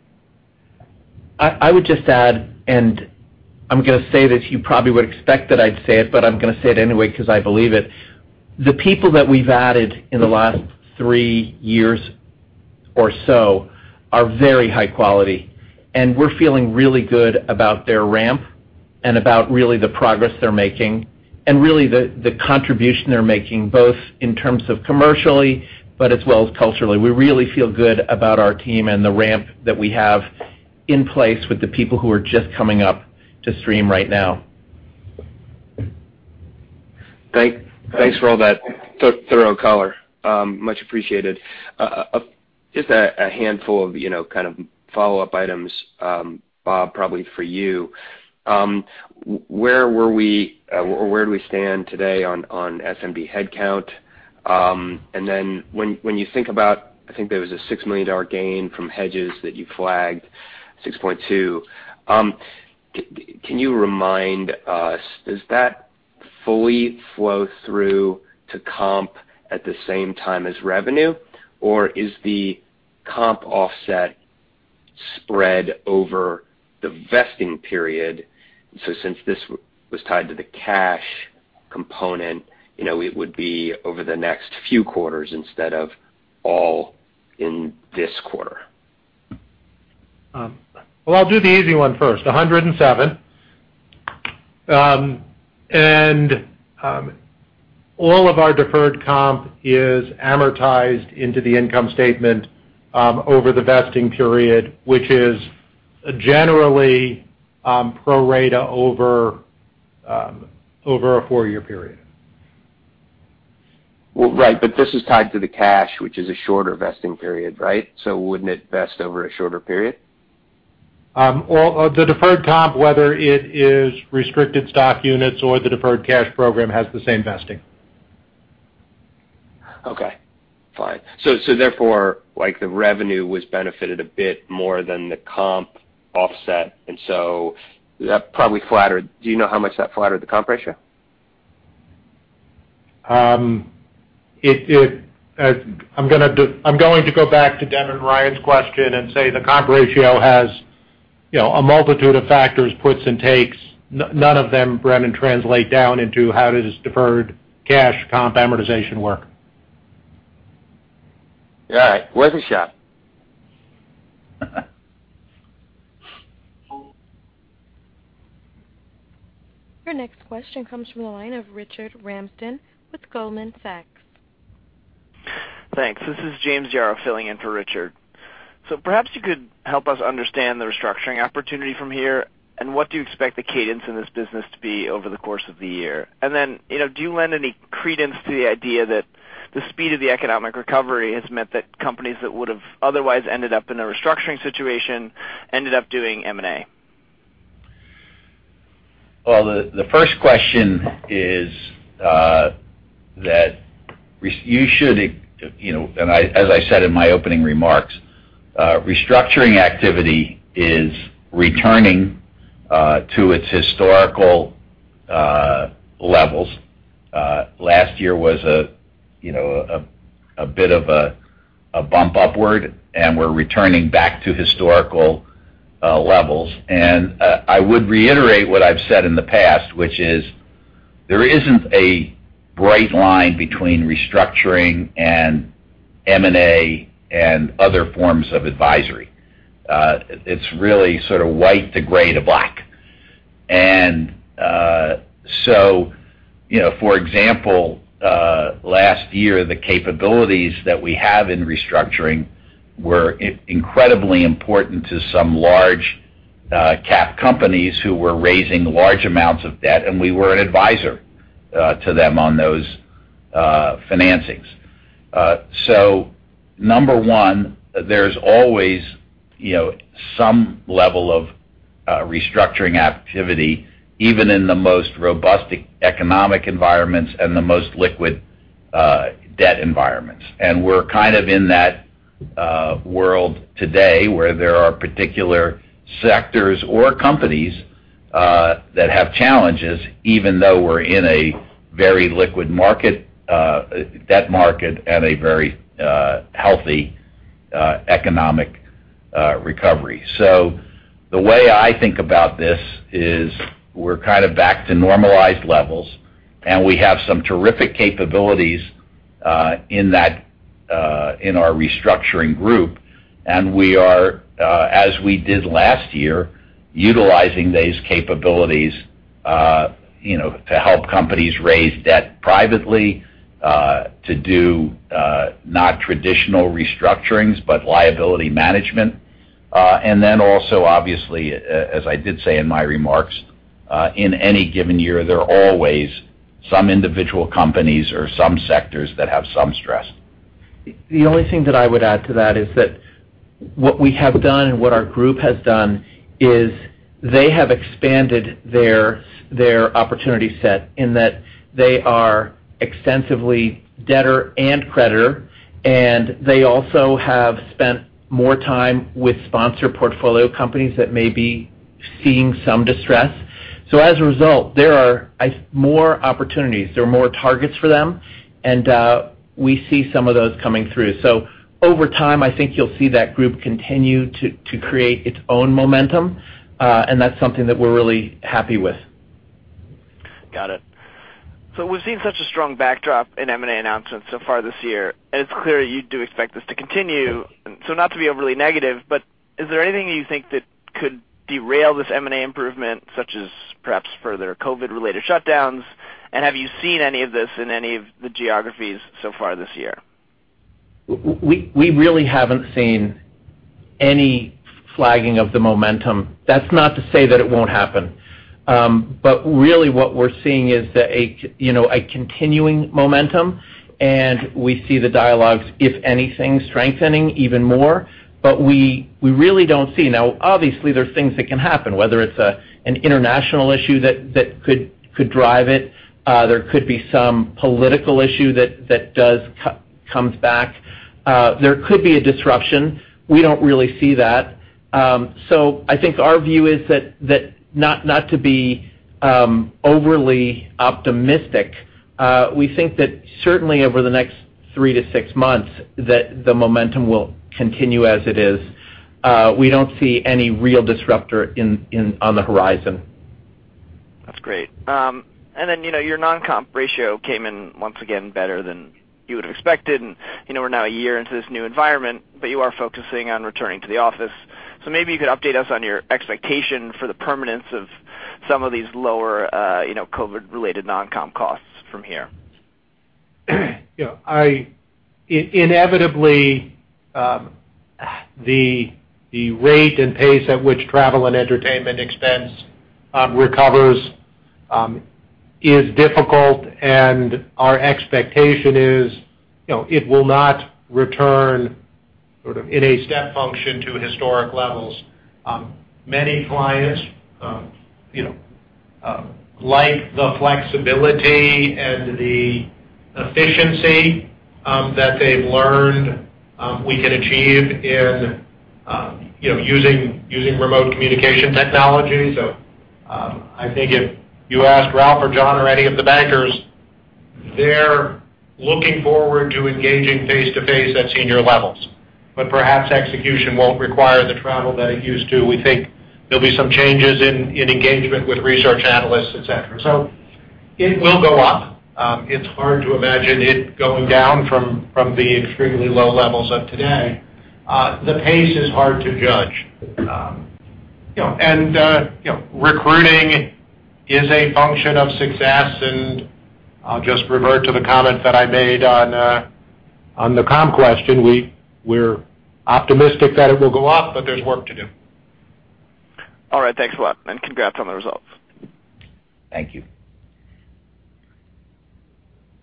I would just add, and I'm going to say this, you probably would expect that I'd say it, but I'm going to say it anyway because I believe it. The people that we've added in the last three years or so are very high quality, and we're feeling really good about their ramp and about really the progress they're making, and really the contribution they're making, both in terms of commercially, but as well as culturally. We really feel good about our team and the ramp that we have in place with the people who are just coming up to stream right now. Thanks for all that thorough color. Much appreciated. Just a handful of follow-up items, Bob, probably for you. Where do we stand today on SMD headcount? When you think about, I think there was a $6 million gain from hedges that you flagged, $6.2 million. Can you remind us, does that fully flow through to comp at the same time as revenue? Or is the comp offset spread over the vesting period? Since this was tied to the cash component, it would be over the next few quarters instead of all in this quarter. Well, I'll do the easy one first, 107. All of our deferred comp is amortized into the income statement over the vesting period, which is generally pro rata over a four-year period. Well, right. This is tied to the cash, which is a shorter vesting period, right? Wouldn't it vest over a shorter period? Well, the deferred comp, whether it is restricted stock units or the deferred cash program, has the same vesting. Okay, fine. Therefore, the revenue was benefited a bit more than the comp offset, and so that probably flattered. Do you know how much that flattered the comp ratio? I'm going to go back to Devin Ryan's question and say the comp ratio has a multitude of factors, puts and takes. None of them, Brennan, translate down into how does deferred cash comp amortization work. All right. Worth a shot. Your next question comes from the line of Richard Ramsden with Goldman Sachs. Thanks. This is James Yaro filling in for Richard. Perhaps you could help us understand the restructuring opportunity from here, and what do you expect the cadence in this business to be over the course of the year? Then, do you lend any credence to the idea that the speed of the economic recovery has meant that companies that would have otherwise ended up in a restructuring situation ended up doing M&A? The first question is that you should, and as I said in my opening remarks, restructuring activity is returning to its historical levels. Last year was a bit of a bump upward, and we're returning back to historical levels. I would reiterate what I've said in the past, which is there isn't a bright line between restructuring and M&A and other forms of advisory. It's really sort of white to gray to black. For example, last year, the capabilities that we have in restructuring were incredibly important to some large cap companies who were raising large amounts of debt, and we were an advisor to them on those financings. Number one, there's always some level of restructuring activity, even in the most robust economic environments and the most liquid debt environments. We're kind of in that world today where there are particular sectors or companies that have challenges, even though we're in a very liquid market, debt market, and a very healthy economic recovery. The way I think about this is we're kind of back to normalized levels, and we have some terrific capabilities in our restructuring group. We are, as we did last year, utilizing these capabilities to help companies raise debt privately, to do not traditional restructurings, but liability management. Also, obviously, as I did say in my remarks, in any given year, there are always some individual companies or some sectors that have some stress. The only thing that I would add to that is that what we have done and what our group has done is they have expanded their opportunity set in that they are extensively debtor and creditor, and they also have spent more time with sponsor portfolio companies that may be seeing some distress. As a result, there are more opportunities. There are more targets for them, and we see some of those coming through. Over time, I think you'll see that group continue to create its own momentum, and that's something that we're really happy with. Got it. We've seen such a strong backdrop in M&A announcements so far this year, and it's clear you do expect this to continue. Not to be overly negative, but is there anything that you think that could derail this M&A improvement, such as perhaps further COVID-related shutdowns? Have you seen any of this in any of the geographies so far this year? We really haven't seen any flagging of the momentum. That's not to say that it won't happen. Really what we're seeing is a continuing momentum, and we see the dialogues, if anything, strengthening even more. We really don't see. Now, obviously, there's things that can happen, whether it's an international issue that could drive it. There could be some political issue that does comes back. There could be a disruption. We don't really see that. I think our view is that not to be overly optimistic, we think that certainly over the next three to six months that the momentum will continue as it is. We don't see any real disruptor on the horizon. That's great. Your non-comp ratio came in, once again, better than you would have expected, and we're now a year into this new environment. You are focusing on returning to the office. Maybe you could update us on your expectation for the permanence of some of these lower COVID-related non-comp costs from here. Inevitably. The rate and pace at which travel and entertainment expense recovers is difficult, and our expectation is it will not return in a step function to historic levels. Many clients like the flexibility and the efficiency that they've learned we can achieve in using remote communication technology. I think if you ask Ralph or John or any of the bankers, they're looking forward to engaging face-to-face at senior levels. Perhaps execution won't require the travel that it used to. We think there'll be some changes in engagement with research analysts, et cetera. It will go up. It's hard to imagine it going down from the extremely low levels of today. The pace is hard to judge. Recruiting is a function of success, and I'll just revert to the comment that I made on the comp question. We're optimistic that it will go up, but there's work to do. All right. Thanks a lot, and congrats on the results. Thank you.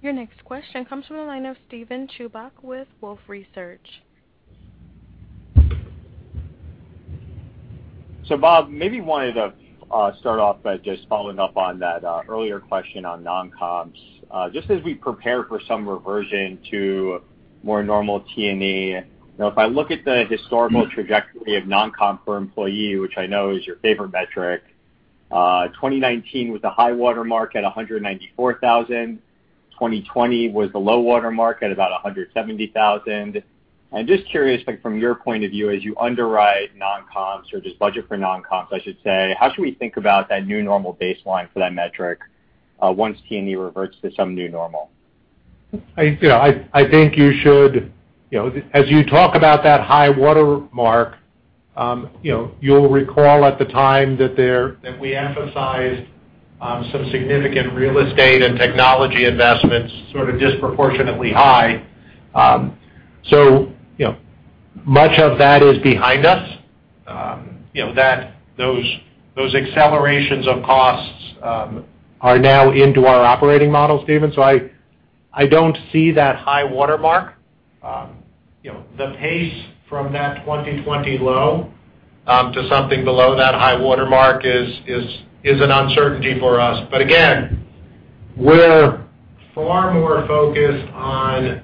Your next question comes from the line of Steven Chubak with Wolfe Research. Bob, maybe wanted to start off by just following up on that earlier question on non-comps. Just as we prepare for some reversion to more normal T&E, if I look at the historical trajectory of non-comp per employee, which I know is your favorite metric, 2019 was the high water mark at $194,000. 2020 was the low water mark at about $170,000. I'm just curious from your point of view, as you underwrite non-comps or just budget for non-comps, I should say, how should we think about that new normal baseline for that metric once T&E reverts to some new normal? As you talk about that high water mark, you'll recall at the time that we emphasized some significant real estate and technology investments sort of disproportionately high. Much of that is behind us. Those accelerations of costs are now into our operating model, Steven. I don't see that high water mark. The pace from that 2020 low to something below that high water mark is an uncertainty for us. Again, we're far more focused on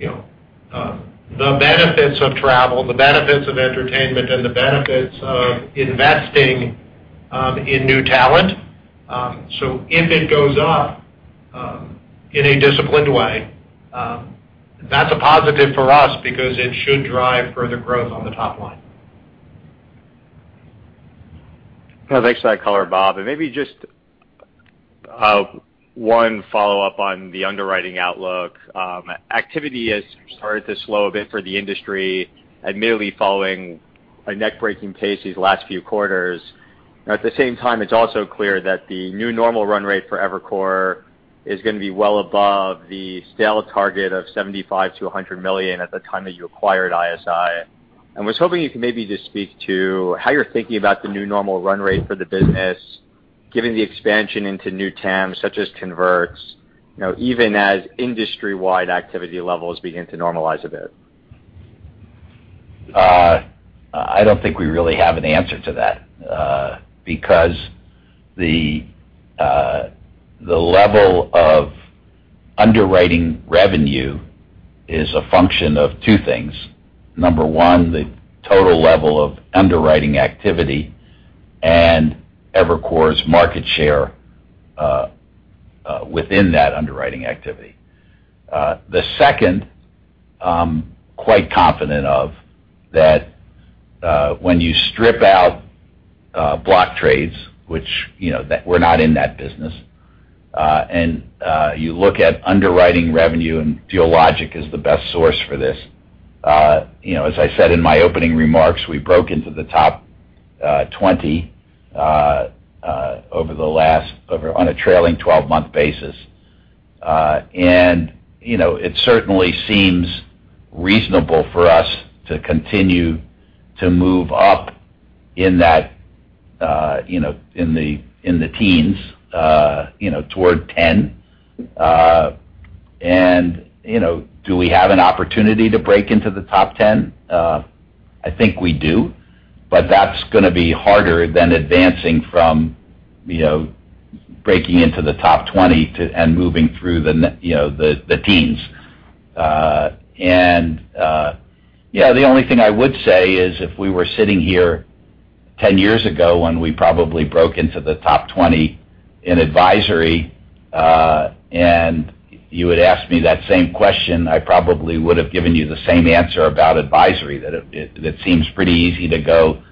the benefits of travel, the benefits of entertainment, and the benefits of investing in new talent. If it goes up in a disciplined way, that's a positive for us because it should drive further growth on the top line. Thanks for that color, Bob. Maybe just one follow-up on the underwriting outlook. Activity has started to slow a bit for the industry, admittedly following a neck-breaking pace these last few quarters. At the same time, it's also clear that the new normal run rate for Evercore is going to be well above the stale target of $75-$100 million at the time that you acquired ISI. Was hoping you could maybe just speak to how you're thinking about the new normal run rate for the business, given the expansion into new TAMs, such as converts, even as industry-wide activity levels begin to normalize a bit. I don't think we really have an answer to that. Because the level of underwriting revenue is a function of two things. Number one, the total level of underwriting activity and Evercore's market share within that underwriting activity. The second, I'm quite confident of that when you strip out block trades, which we're not in that business, and you look at underwriting revenue, Dealogic is the best source for this. As I said in my opening remarks, we broke into the top 20 on a trailing 12-month basis. It certainly seems reasonable for us to continue to move up in the teens toward 10. Do we have an opportunity to break into the top 10? I think we do, but that's going to be harder than advancing from breaking into the top 20 and moving through the teens. The only thing I would say is if we were sitting here 10 years ago when we probably broke into the top 20 in advisory, and you had asked me that same question, I probably would have given you the same answer about advisory, that it seems pretty easy to go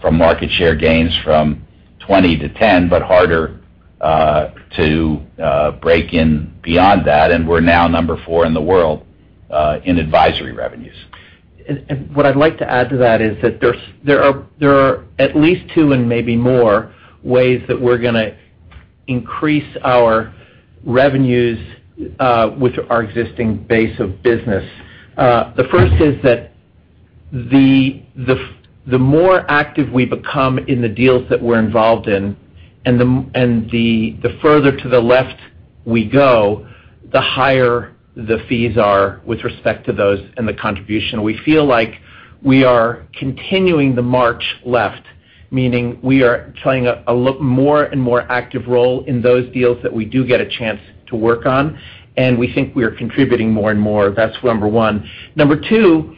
from market share gains from 20 to 10, but harder to break in beyond that. We're now number four in the world in advisory revenues. What I'd like to add to that is that there are at least two and maybe more ways that we're going- increase our revenues with our existing base of business. The first is that the more active we become in the deals that we're involved in, and the further to the left we go, the higher the fees are with respect to those and the contribution. We feel like we are continuing the march left, meaning we are playing a more and more active role in those deals that we do get a chance to work on. We think we are contributing more and more. That's number one. Number two,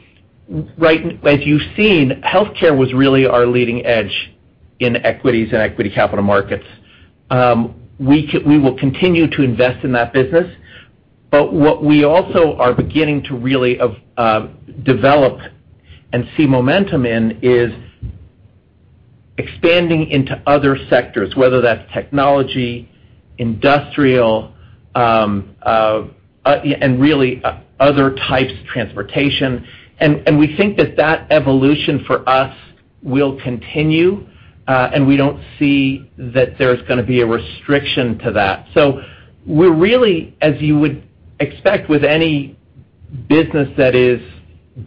as you've seen, healthcare was really our leading edge in equities and equity capital markets. We will continue to invest in that business. What we also are beginning to really develop and see momentum in is expanding into other sectors, whether that's Technology, Industrial, and really other types, Transportation. We think that that evolution for us will continue, and we don't see that there's going to be a restriction to that. We're really, as you would expect with any business that is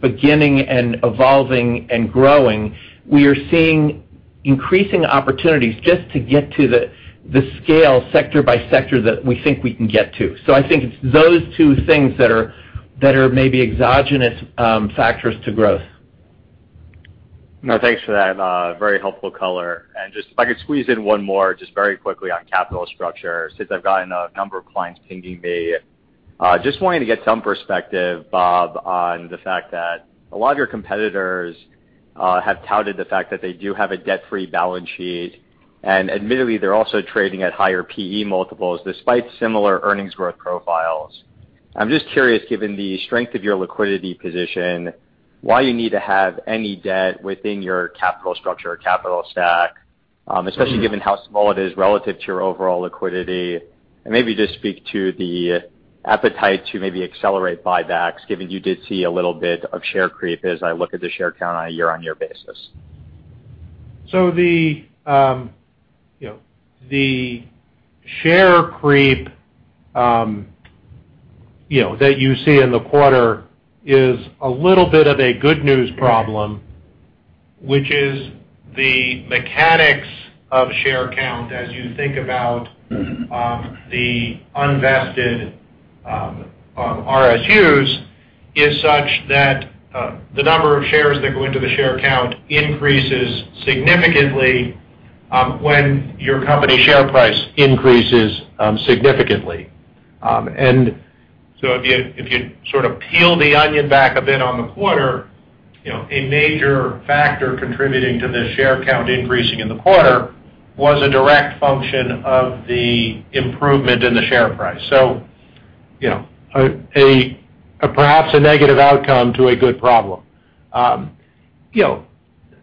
beginning and evolving and growing, we are seeing increasing opportunities just to get to the scale sector by sector that we think we can get to. I think it's those two things that are maybe exogenous factors to growth. No, thanks for that. Very helpful color. Just if I could squeeze in one more just very quickly on capital structure, since I've gotten a number of clients pinging me. Just wanting to get some perspective, Bob, on the fact that a lot of your competitors have touted the fact that they do have a debt-free balance sheet. Admittedly, they're also trading at higher P/E multiples despite similar earnings growth profiles. I'm just curious, given the strength of your liquidity position, why you need to have any debt within your capital structure or capital stack, especially given how small it is relative to your overall liquidity, and maybe just speak to the appetite to maybe accelerate buybacks, given you did see a little bit of share creep as I look at the share count on a year-on-year basis. The share creep that you see in the quarter is a little bit of a good news problem, which is the mechanics of share count as you think about the unvested RSUs, is such that the number of shares that go into the share count increases significantly when your company share price increases significantly. If you sort of peel the onion back a bit on the quarter, a major factor contributing to the share count increasing in the quarter was a direct function of the improvement in the share price. Perhaps a negative outcome to a good problem.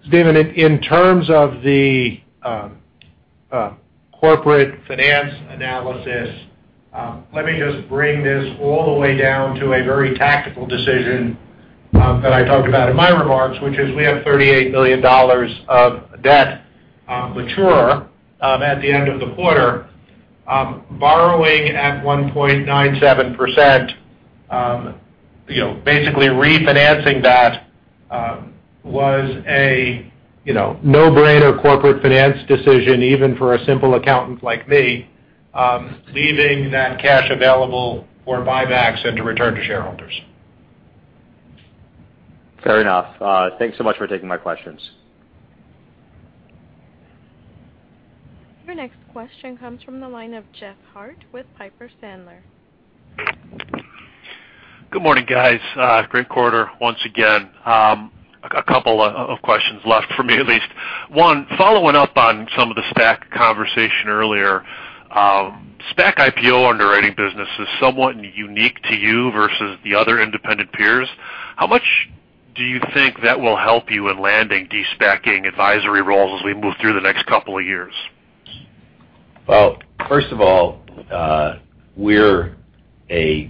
Steven, in terms of the corporate finance analysis, let me just bring this all the way down to a very tactical decision that I talked about in my remarks, which is we have $38 million of debt mature at the end of the quarter. Borrowing at 1.97%, basically refinancing that was a no-brainer corporate finance decision, even for a simple accountant like me, leaving that cash available for buybacks and to return to shareholders. Fair enough. Thanks so much for taking my questions. Your next question comes from the line of Jeff Harte with Piper Sandler. Good morning, guys. Great quarter once again. A couple of questions left from me at least. One, following up on some of the SPAC conversation earlier. SPAC IPO underwriting business is somewhat unique to you versus the other independent peers. How much do you think that will help you in landing de-SPACing advisory roles as we move through the next couple of years? Well, first of all, we're a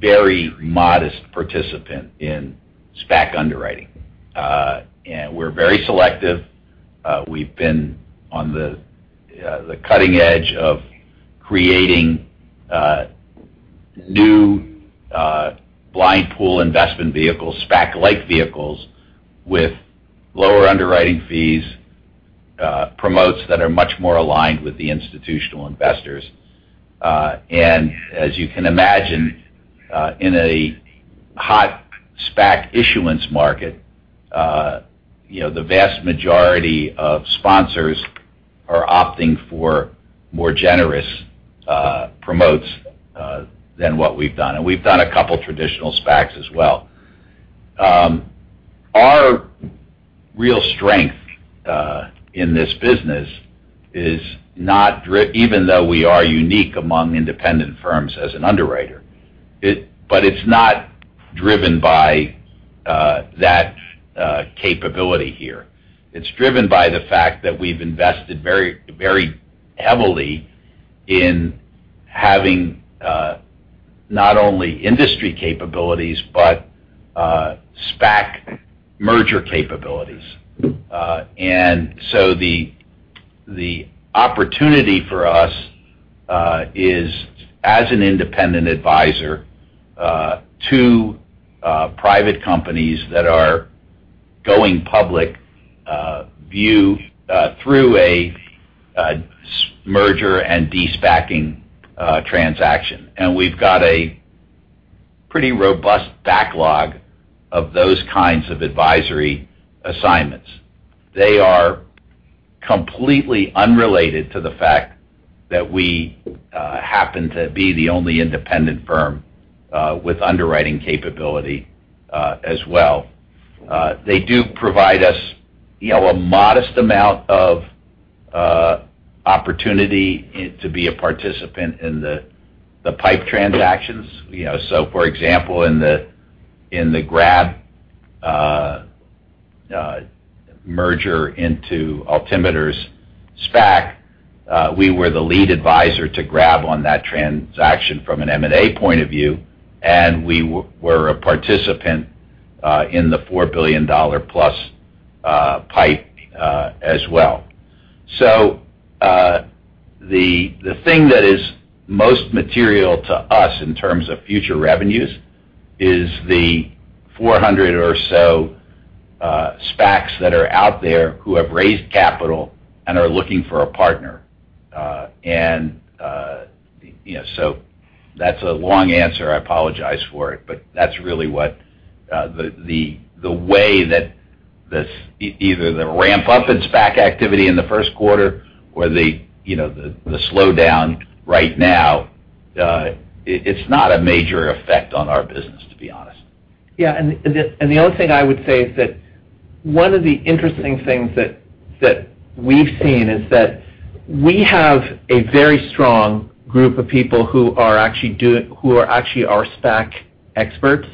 very modest participant in SPAC underwriting. We're very selective. We've been on the cutting edge of creating new blind pool investment vehicles, SPAC-like vehicles with lower underwriting fees, promotes that are much more aligned with the institutional investors. As you can imagine, in a hot SPAC issuance market, the vast majority of sponsors are opting for more generous promotes than what we've done. We've done a couple traditional SPACs as well. Our real strength in this business is not even though we are unique among independent firms as an underwriter. It's not driven by that capability here. It's driven by the fact that we've invested very heavily in having not only industry capabilities but SPAC merger capabilities. The opportunity for us is as an independent advisor to private companies that are going public view through a merger and de-SPACing transaction. We've got a pretty robust backlog of those kinds of advisory assignments. They are completely unrelated to the fact that we happen to be the only independent firm with underwriting capability as well. They do provide us a modest amount of opportunity to be a participant in the PIPE transactions. For example, in the Grab merger into Altimeter's SPAC, we were the lead advisor to Grab on that transaction from an M&A point of view, and we were a participant in the $4 billion-plus PIPE as well. The thing that is most material to us in terms of future revenues is the 400 or so SPACs that are out there who have raised capital and are looking for a partner. That's a long answer. I apologize for it, but that's really the way that either the ramp-up in SPAC activity in the first quarter or the slowdown right now, it's not a major effect on our business, to be honest. Yeah, the only thing I would say is that one of the interesting things that we've seen is that we have a very strong group of people who are actually our SPAC experts.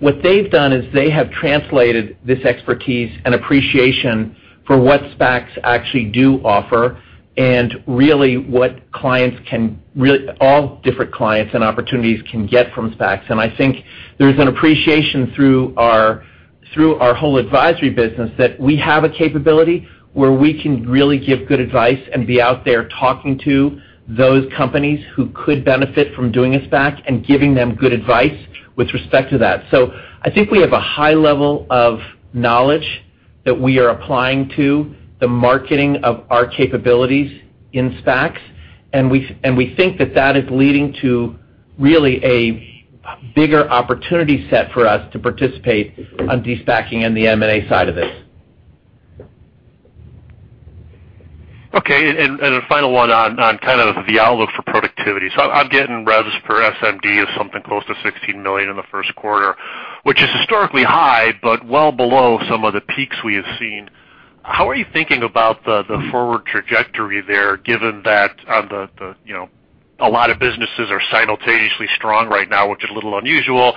What they've done is they have translated this expertise and appreciation for what SPACs actually do offer, and really what all different clients and opportunities can get from SPACs. I think there's an appreciation through our whole advisory business that we have a capability where we can really give good advice and be out there talking to those companies who could benefit from doing a SPAC and giving them good advice with respect to that. I think we have a high level of knowledge that we are applying to the marketing of our capabilities in SPACs, and we think that that is leading to really a bigger opportunity set for us to participate on de-SPACing and the M&A side of this. Okay, a final one on kind of the outlook for productivity. I'm getting revs per SMD as something close to $16 million in the first quarter, which is historically high, but well below some of the peaks we have seen. How are you thinking about the forward trajectory there, given that a lot of businesses are simultaneously strong right now, which is a little unusual,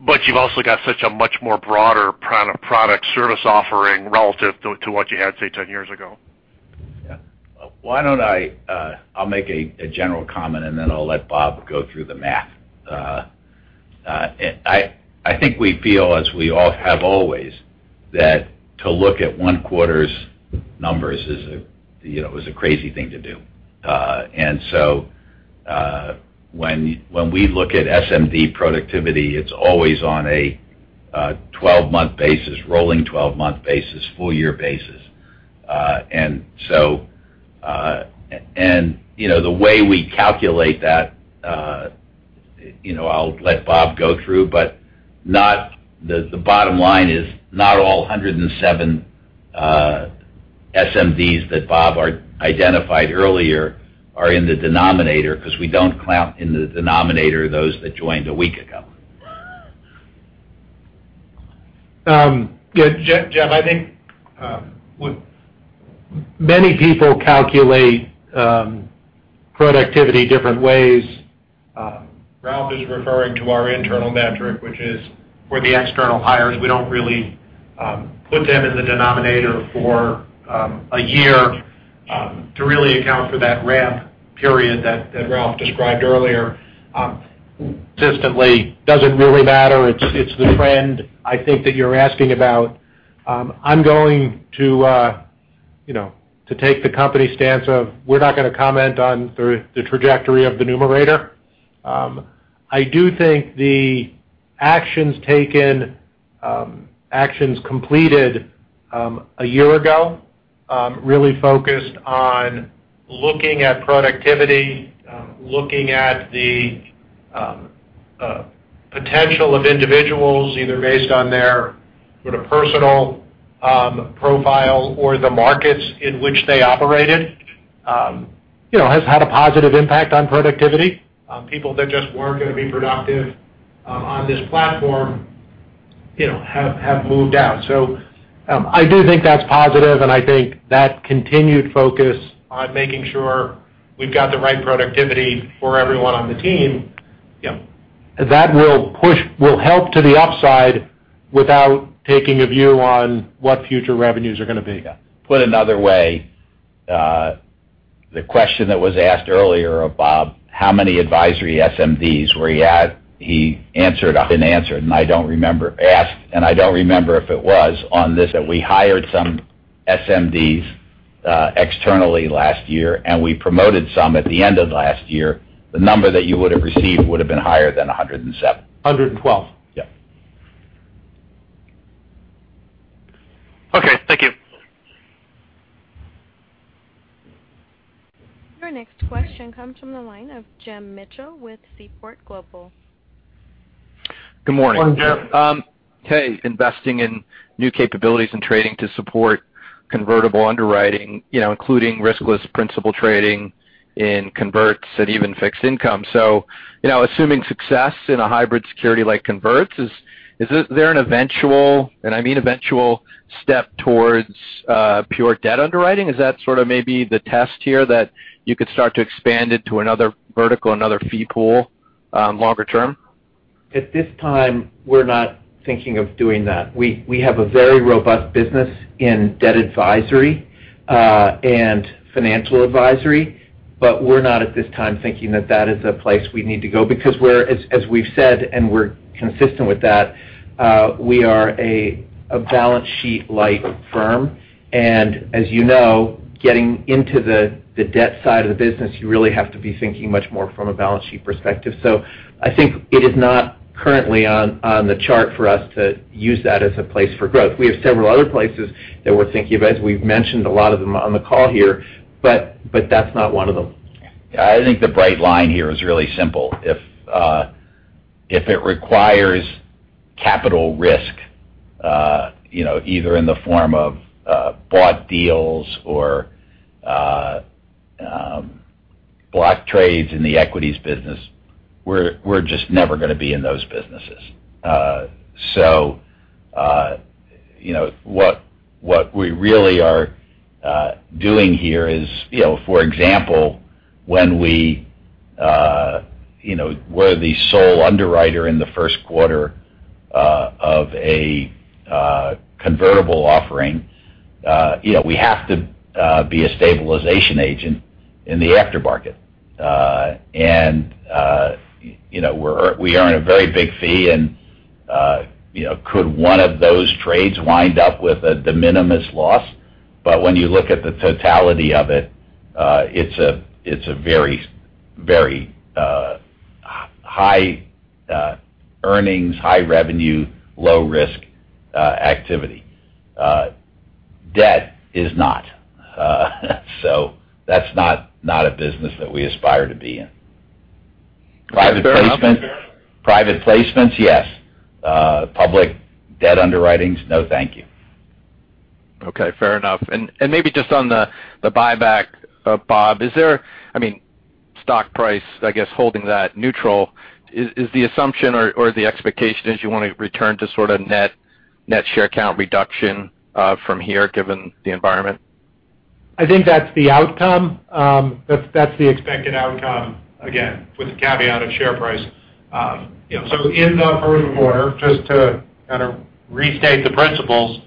but you've also got such a much more broader product service offering relative to what you had, say, 10 years ago? Yeah. I'll make a general comment, and then I'll let Bob go through the math. I think we feel, as we all have always, that to look at one quarter's numbers is a crazy thing to do. When we look at SMD productivity, it's always on a 12-month basis, rolling 12-month basis, full-year basis. The way we calculate that, I'll let Bob go through, but the bottom line is not all 107 SMDs that Bob identified earlier are in the denominator because we don't count in the denominator those that joined a week ago. Jeff, I think many people calculate productivity different ways. Ralph is referring to our internal metric, which is for the external hires. We don't really put them in the denominator for a year to really account for that ramp period that Ralph described earlier consistently. Does it really matter? It's the trend, I think, that you're asking about. I'm going to take the company stance of we're not going to comment on the trajectory of the numerator. I do think the actions taken, actions completed a year ago really focused on looking at productivity, looking at the potential of individuals, either based on their sort of personal profile or the markets in which they operated, has had a positive impact on productivity. People that just weren't going to be productive on this platform have moved out. I do think that's positive, and I think that continued focus on making sure we've got the right productivity for everyone on the team. Yeah. That will help to the upside without taking a view on what future revenues are going to be. Yeah. Put another way. The question that was asked earlier, Bob, how many advisory SMDs, where he answered, been answered, and I don't remember. It was asked, and I don't remember if it was on this, that we hired some SMDs externally last year, and we promoted some at the end of last year. The number that you would have received would have been higher than 107. 112. Yeah. Okay, thank you. Our next question comes from the line of Jim Mitchell with Seaport Global. Good morning. Morning, Jim. Hey, investing in new capabilities and trading to support convertible underwriting, including riskless principal trading in converts and even fixed income. Assuming success in a hybrid security like converts, is there an eventual, and I mean eventual, step towards pure debt underwriting? Is that sort of maybe the test here that you could start to expand it to another vertical, another fee pool longer term? At this time, we're not thinking of doing that. We have a very robust business in debt advisory and financial advisory, but we're not at this time thinking that that is a place we need to go because we're, as we've said, and we're consistent with that, we are a balance sheet-light firm. As you know, getting into the debt side of the business, you really have to be thinking much more from a balance sheet perspective. I think it is not currently on the chart for us to use that as a place for growth. We have several other places that we're thinking of, as we've mentioned a lot of them on the call here, but that's not one of them. I think the bright line here is really simple. If it requires capital risk, either in the form of bought deals or block trades in the equities business, we're just never going to be in those businesses. What we really are doing here is, for example, when we were the sole underwriter in the first quarter of a convertible offering. We have to be a stabilization agent in the after market. We earn a very big fee and could one of those trades wind up with a de minimis loss. When you look at the totality of it's a very high earnings, high revenue, low risk activity. Debt is not. That's not a business that we aspire to be in. Private placements? Private placements, yes. Public debt underwritings, no, thank you. Okay, fair enough. Maybe just on the buyback, Bob. Is the stock price, I guess, holding that neutral? Is the assumption or the expectation is you want to return to sort of net share count reduction from here given the environment? I think that's the outcome. That's the expected outcome, again, with the caveat of share price. In the first quarter, just to kind of restate the principles.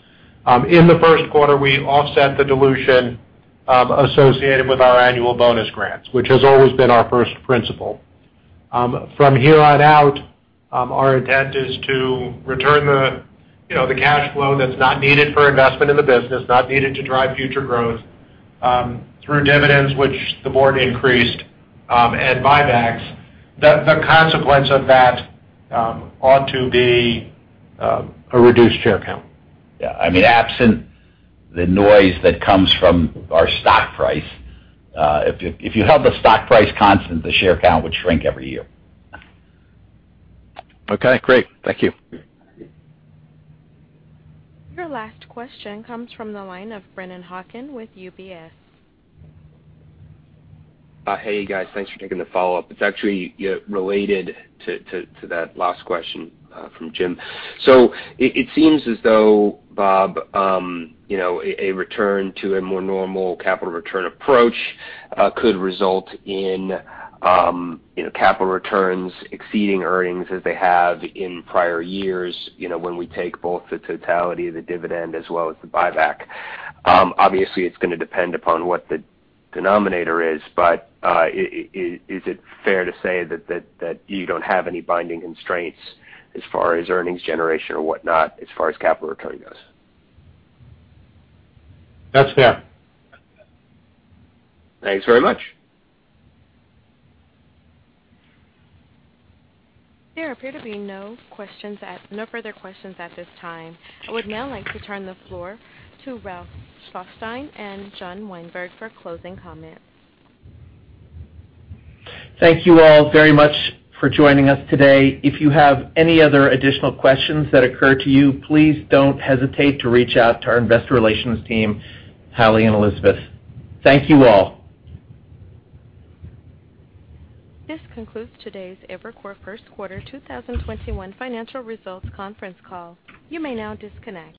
In the first quarter, we offset the dilution associated with our annual bonus grants, which has always been our first principle. From here on out, our intent is to return the cash flow that's not needed for investment in the business, not needed to drive future growth, through dividends which the board increased, and buybacks. The consequence of that ought to be a reduced share count. Yeah. Absent the noise that comes from our stock price. If you held the stock price constant, the share count would shrink every year. Okay, great. Thank you. Your last question comes from the line of Brennan Hawken with UBS. Hey guys, thanks for taking the follow-up. It's actually related to that last question from Jim. It seems as though, Bob, a return to a more normal capital return approach could result in capital returns exceeding earnings as they have in prior years, when we take both the totality of the dividend as well as the buyback. Obviously, it's going to depend upon what the denominator is, but is it fair to say that you don't have any binding constraints as far as earnings generation or whatnot, as far as capital return goes? That's fair. Thanks very much. There appear to be no further questions at this time. I would now like to turn the floor to Ralph Schlosstein and John Weinberg for closing comments. Thank you all very much for joining us today. If you have any other additional questions that occur to you, please don't hesitate to reach out to our investor relations team, Hallie and Elizabeth. Thank you all. This concludes today's Evercore First Quarter 2021 Financial Results Conference Call. You may now disconnect.